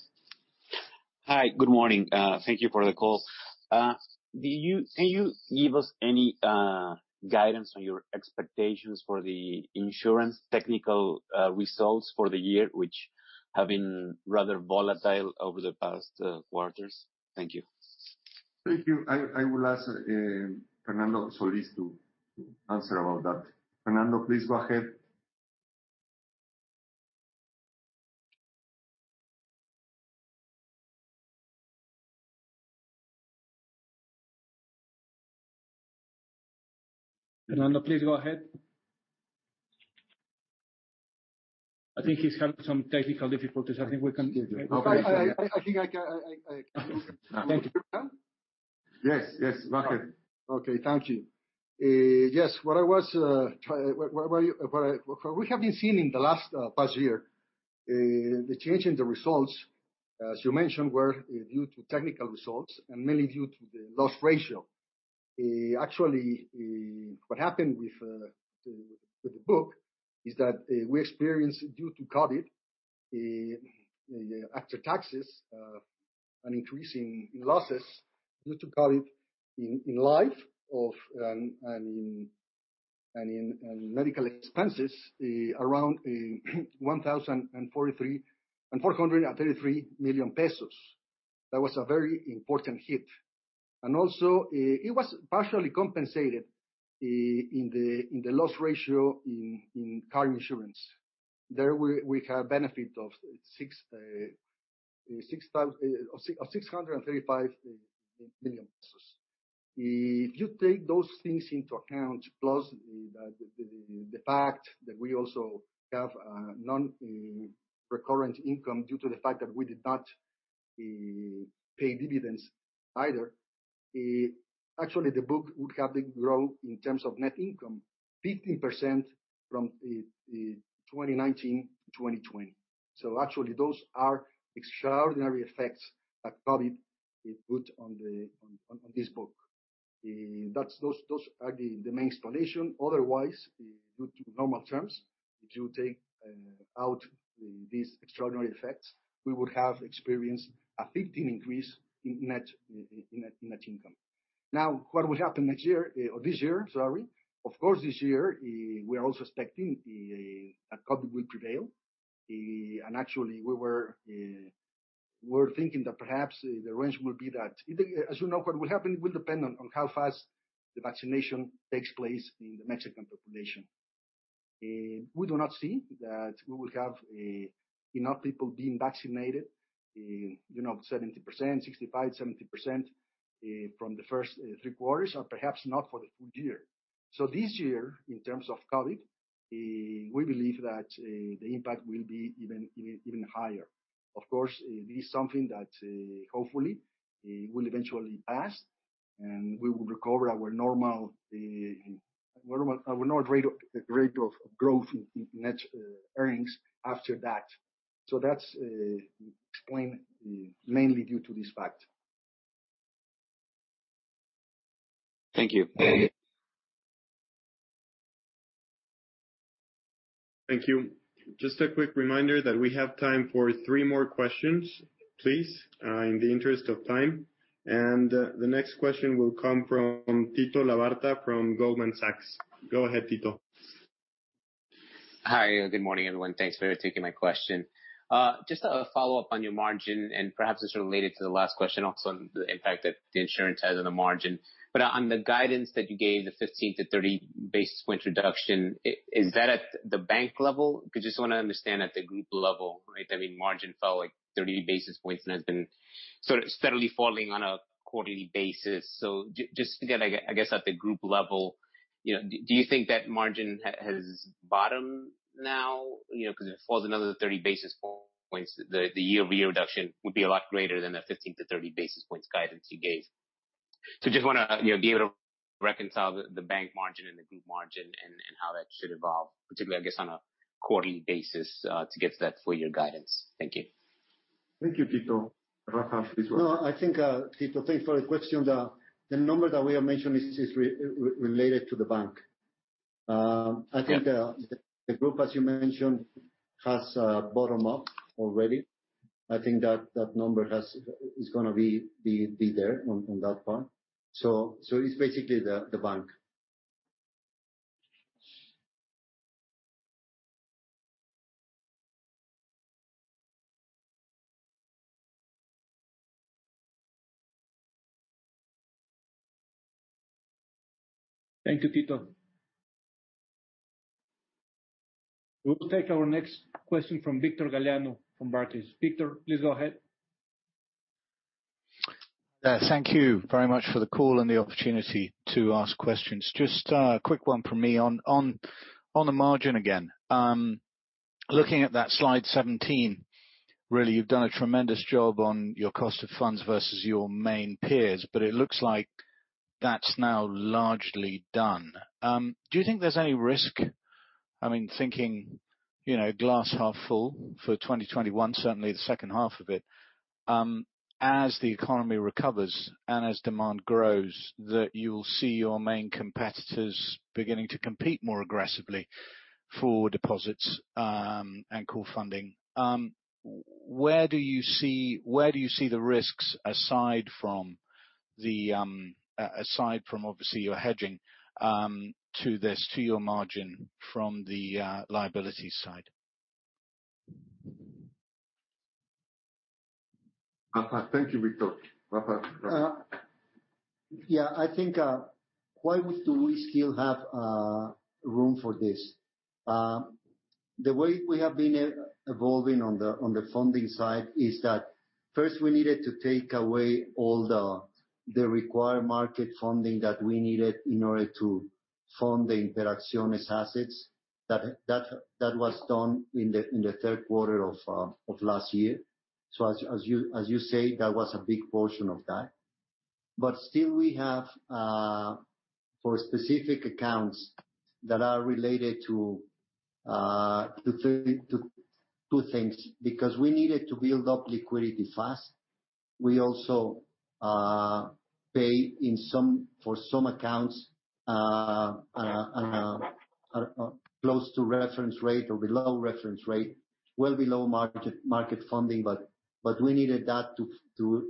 Hi. Good morning. Thank you for the call. Can you give us any guidance on your expectations for the insurance technical results for the year, which have been rather volatile over the past quarters? Thank you. Thank you. I will ask Fernando Solís to answer about that. Fernando, please go ahead. Fernando, please go ahead. I think he's having some technical difficulties. I think we can give. I think I can. Thank you. Yes. Go ahead. Okay. Thank you. Yes, what we have been seeing in the past year, the change in the results, as you mentioned, were due to technical results and mainly due to the loss ratio. Actually, what happened with the book is that we experienced, due to COVID, after taxes, an increase in losses due to COVID in life and in medical expenses, around 1,433 million pesos. That was a very important hit. It was partially compensated in the loss ratio in car insurance. There, we have benefit of 635 million pesos. If you take those things into account, plus the fact that we also have non-recurrent income due to the fact that we did not pay dividends either, actually the book would have grown, in terms of net income, 15% from 2019-2020. Actually, those are extraordinary effects that COVID put on this book. Those are the main explanation. Otherwise, due to normal terms, if you take out these extraordinary effects, we would have experienced a 15% increase in net income. What will happen this year? Of course, this year, we are also expecting that COVID will prevail. Actually, we're thinking that perhaps the range will be that. As you know, what will happen will depend on how fast the vaccination takes place in the Mexican population. We do not see that we will have enough people being vaccinated, 65%, 70% from the first three quarters or perhaps not for the full year. This year, in terms of COVID, we believe that the impact will be even higher. Of course, this is something that hopefully will eventually pass, and we will recover our normal rate of growth in net earnings after that. That's explained mainly due to this fact. Thank you. Thank you. Just a quick reminder that we have time for three more questions. Please, in the interest of time. The next question will come from Tito Labarta from Goldman Sachs. Go ahead, Tito. Hi. Good morning, everyone. Thanks for taking my question. Just a follow-up on your margin, and perhaps it's related to the last question also on the impact that the insurance has on the margin. On the guidance that you gave, the 15 basis points-30 basis points reduction, is that at the bank level? I just want to understand at the group level. Margin fell 30 basis points and has been steadily falling on a quarterly basis. Just to get, I guess at the group level, do you think that margin has bottomed now? If it falls another 30 basis points, the year-over-year reduction would be a lot greater than the 15 basis points-30 basis points guidance you gave. Just want to be able to reconcile the bank margin and the group margin and how that should evolve, particularly, I guess, on a quarterly basis, to get to that full-year guidance. Thank you. Thank you, Tito. Rafael, please go ahead. I think, Tito, thanks for the question. The number that we have mentioned is related to the bank. Okay. I think the group, as you mentioned, has bottomed up already. I think that number is going to be there on that front. It's basically the bank. Thank you, Tito. We'll take our next question from Victor Galliano from Barclays. Victor, please go ahead. Thank you very much for the call and the opportunity to ask questions. Just a quick one from me on the margin again. Looking at that slide 17, really, you've done a tremendous job on your cost of funds versus your main peers, but it looks like that's now largely done. Do you think there's any risk? Thinking glass half full for 2021, certainly the second half of it, as the economy recovers and as demand grows, that you'll see your main competitors beginning to compete more aggressively for deposits and core funding. Where do you see the risks aside from, obviously, your hedging to this, to your margin from the liabilities side? Rafael. Thank you, Victor. Rafael. Yeah. I think, why do we still have room for this? The way we have been evolving on the funding side is that first we needed to take away all the required market funding that we needed in order to fund the Interacciones assets. That was done in the third quarter of last year. As you say, that was a big portion of that. Still, we have for specific accounts that are related to two things, because we needed to build up liquidity fast. We also pay for some accounts close to reference rate or below reference rate, well below market funding, but we needed that to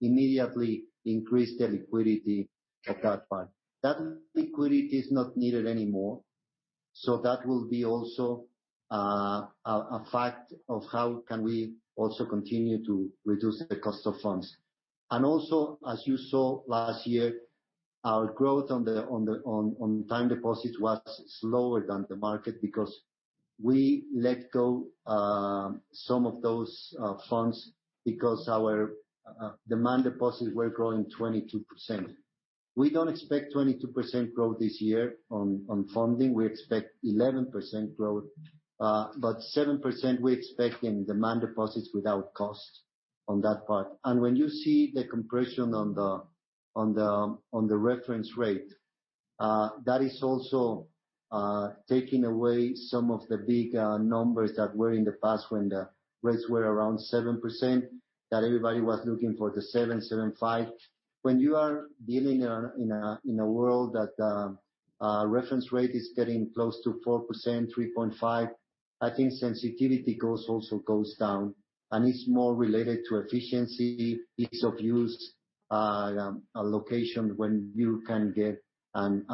immediately increase the liquidity at that part. That liquidity is not needed anymore. That will be also a fact of how can we also continue to reduce the cost of funds. Also, as you saw last year, our growth on time deposit was slower than the market because we let go some of those funds because our demand deposits were growing 22%. We don't expect 22% growth this year on funding. We expect 11% growth. 7%, we expect in demand deposits without costs on that part. When you see the compression on the reference rate, that is also taking away some of the big numbers that were in the past when the rates were around 7%, that everybody was looking for the 7%, 7.5%. When you are dealing in a world that reference rate is getting close to 4%, 3.5%, I think sensitivity also goes down, and it's more related to efficiency, ease of use, location, when you can get the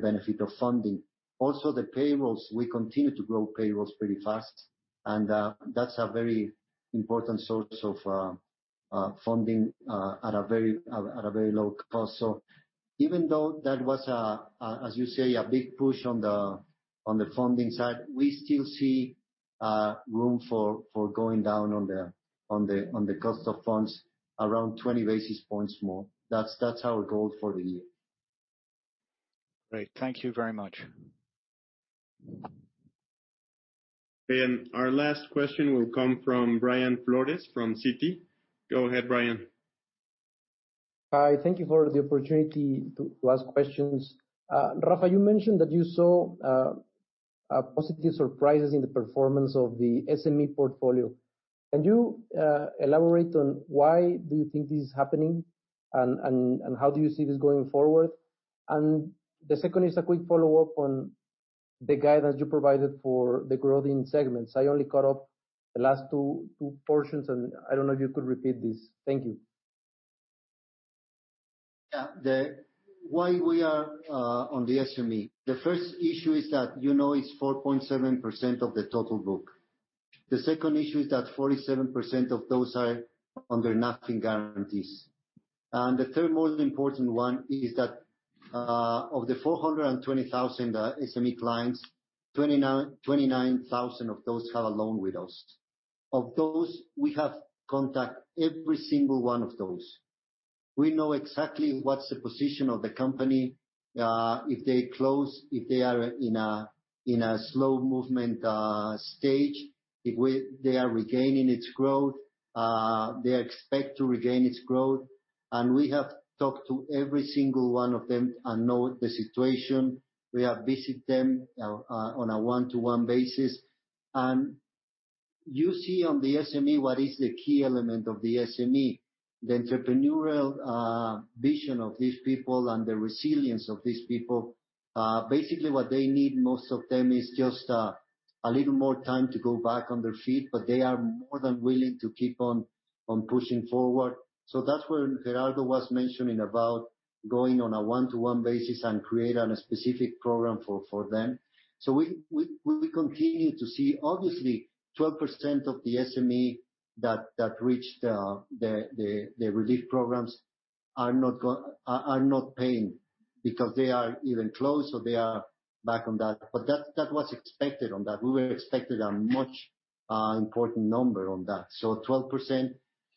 benefit of funding. The payrolls, we continue to grow payrolls pretty fast, and that's a very important source of funding at a very low cost. Even though that was a, as you say, a big push on the funding side, we still see room for going down on the cost of funds around 20 basis points more. That's our goal for the year. Great. Thank you very much. Our last question will come from Brian Flores from Citi. Go ahead, Brian. Hi. Thank you for the opportunity to ask questions. Rafael, you mentioned that you saw positive surprises in the performance of the SME portfolio. Can you elaborate on why do you think this is happening, and how do you see this going forward? The second is a quick follow-up on the guidance you provided for the growth in segments. I only caught up the last two portions, and I don't know if you could repeat this. Thank you. Yeah. Why we are on the SME. The first issue is that, you know it's 4.7% of the total book. The second issue is that 47% of those are under NAFIN guarantees. The third most important one is that, of the 420,000 SME clients, 29,000 of those have a loan with us. Of those, we have contact every single one of those. We know exactly what's the position of the company, if they close, if they are in a slow movement stage, if they are regaining its growth, they expect to regain its growth. We have talked to every single one of them and know the situation. We have visited them on a one-to-one basis. You see on the SME what is the key element of the SME. The entrepreneurial vision of these people and the resilience of these people. Basically, what they need, most of them, is just a little more time to go back on their feet, but they are more than willing to keep on pushing forward. That's where Gerardo was mentioning about going on a one-to-one basis and creating a specific program for them. We continue to see, obviously, 12% of the SME that reached the relief programs are not paying because they are either closed or they are back on that. That was expected on that. We were expecting a much important number on that. 12%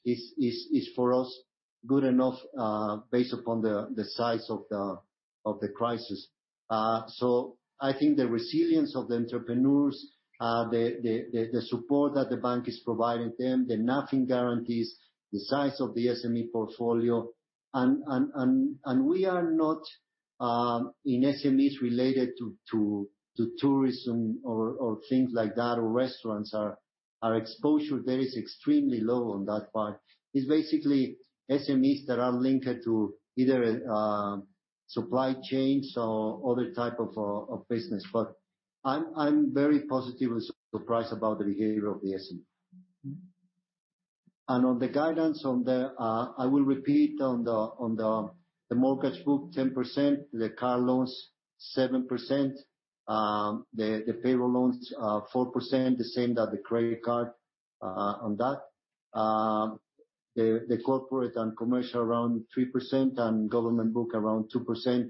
is for us good enough based upon the size of the crisis. I think the resilience of the entrepreneurs, the support that the bank is providing them, the NAFIN guarantees, the size of the SME portfolio. We are not in SMEs related to tourism or things like that, or restaurants. Our exposure there is extremely low on that part. It's basically SMEs that are linked to either supply chains or other type of business. I'm very positive and surprised about the behavior of the SME. On the guidance, I will repeat on the mortgage book, 10%, the car loans, 7%, the payroll loans, 4%, the same as the credit card on that. The corporate and commercial around 3%, and government book around 2%.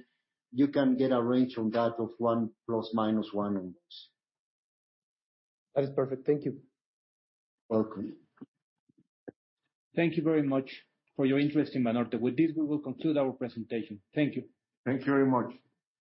You can get a range on that of ±1% on those. That is perfect. Thank you. Welcome. Thank you very much for your interest in Banorte. With this, we will conclude our presentation. Thank you. Thank you very much.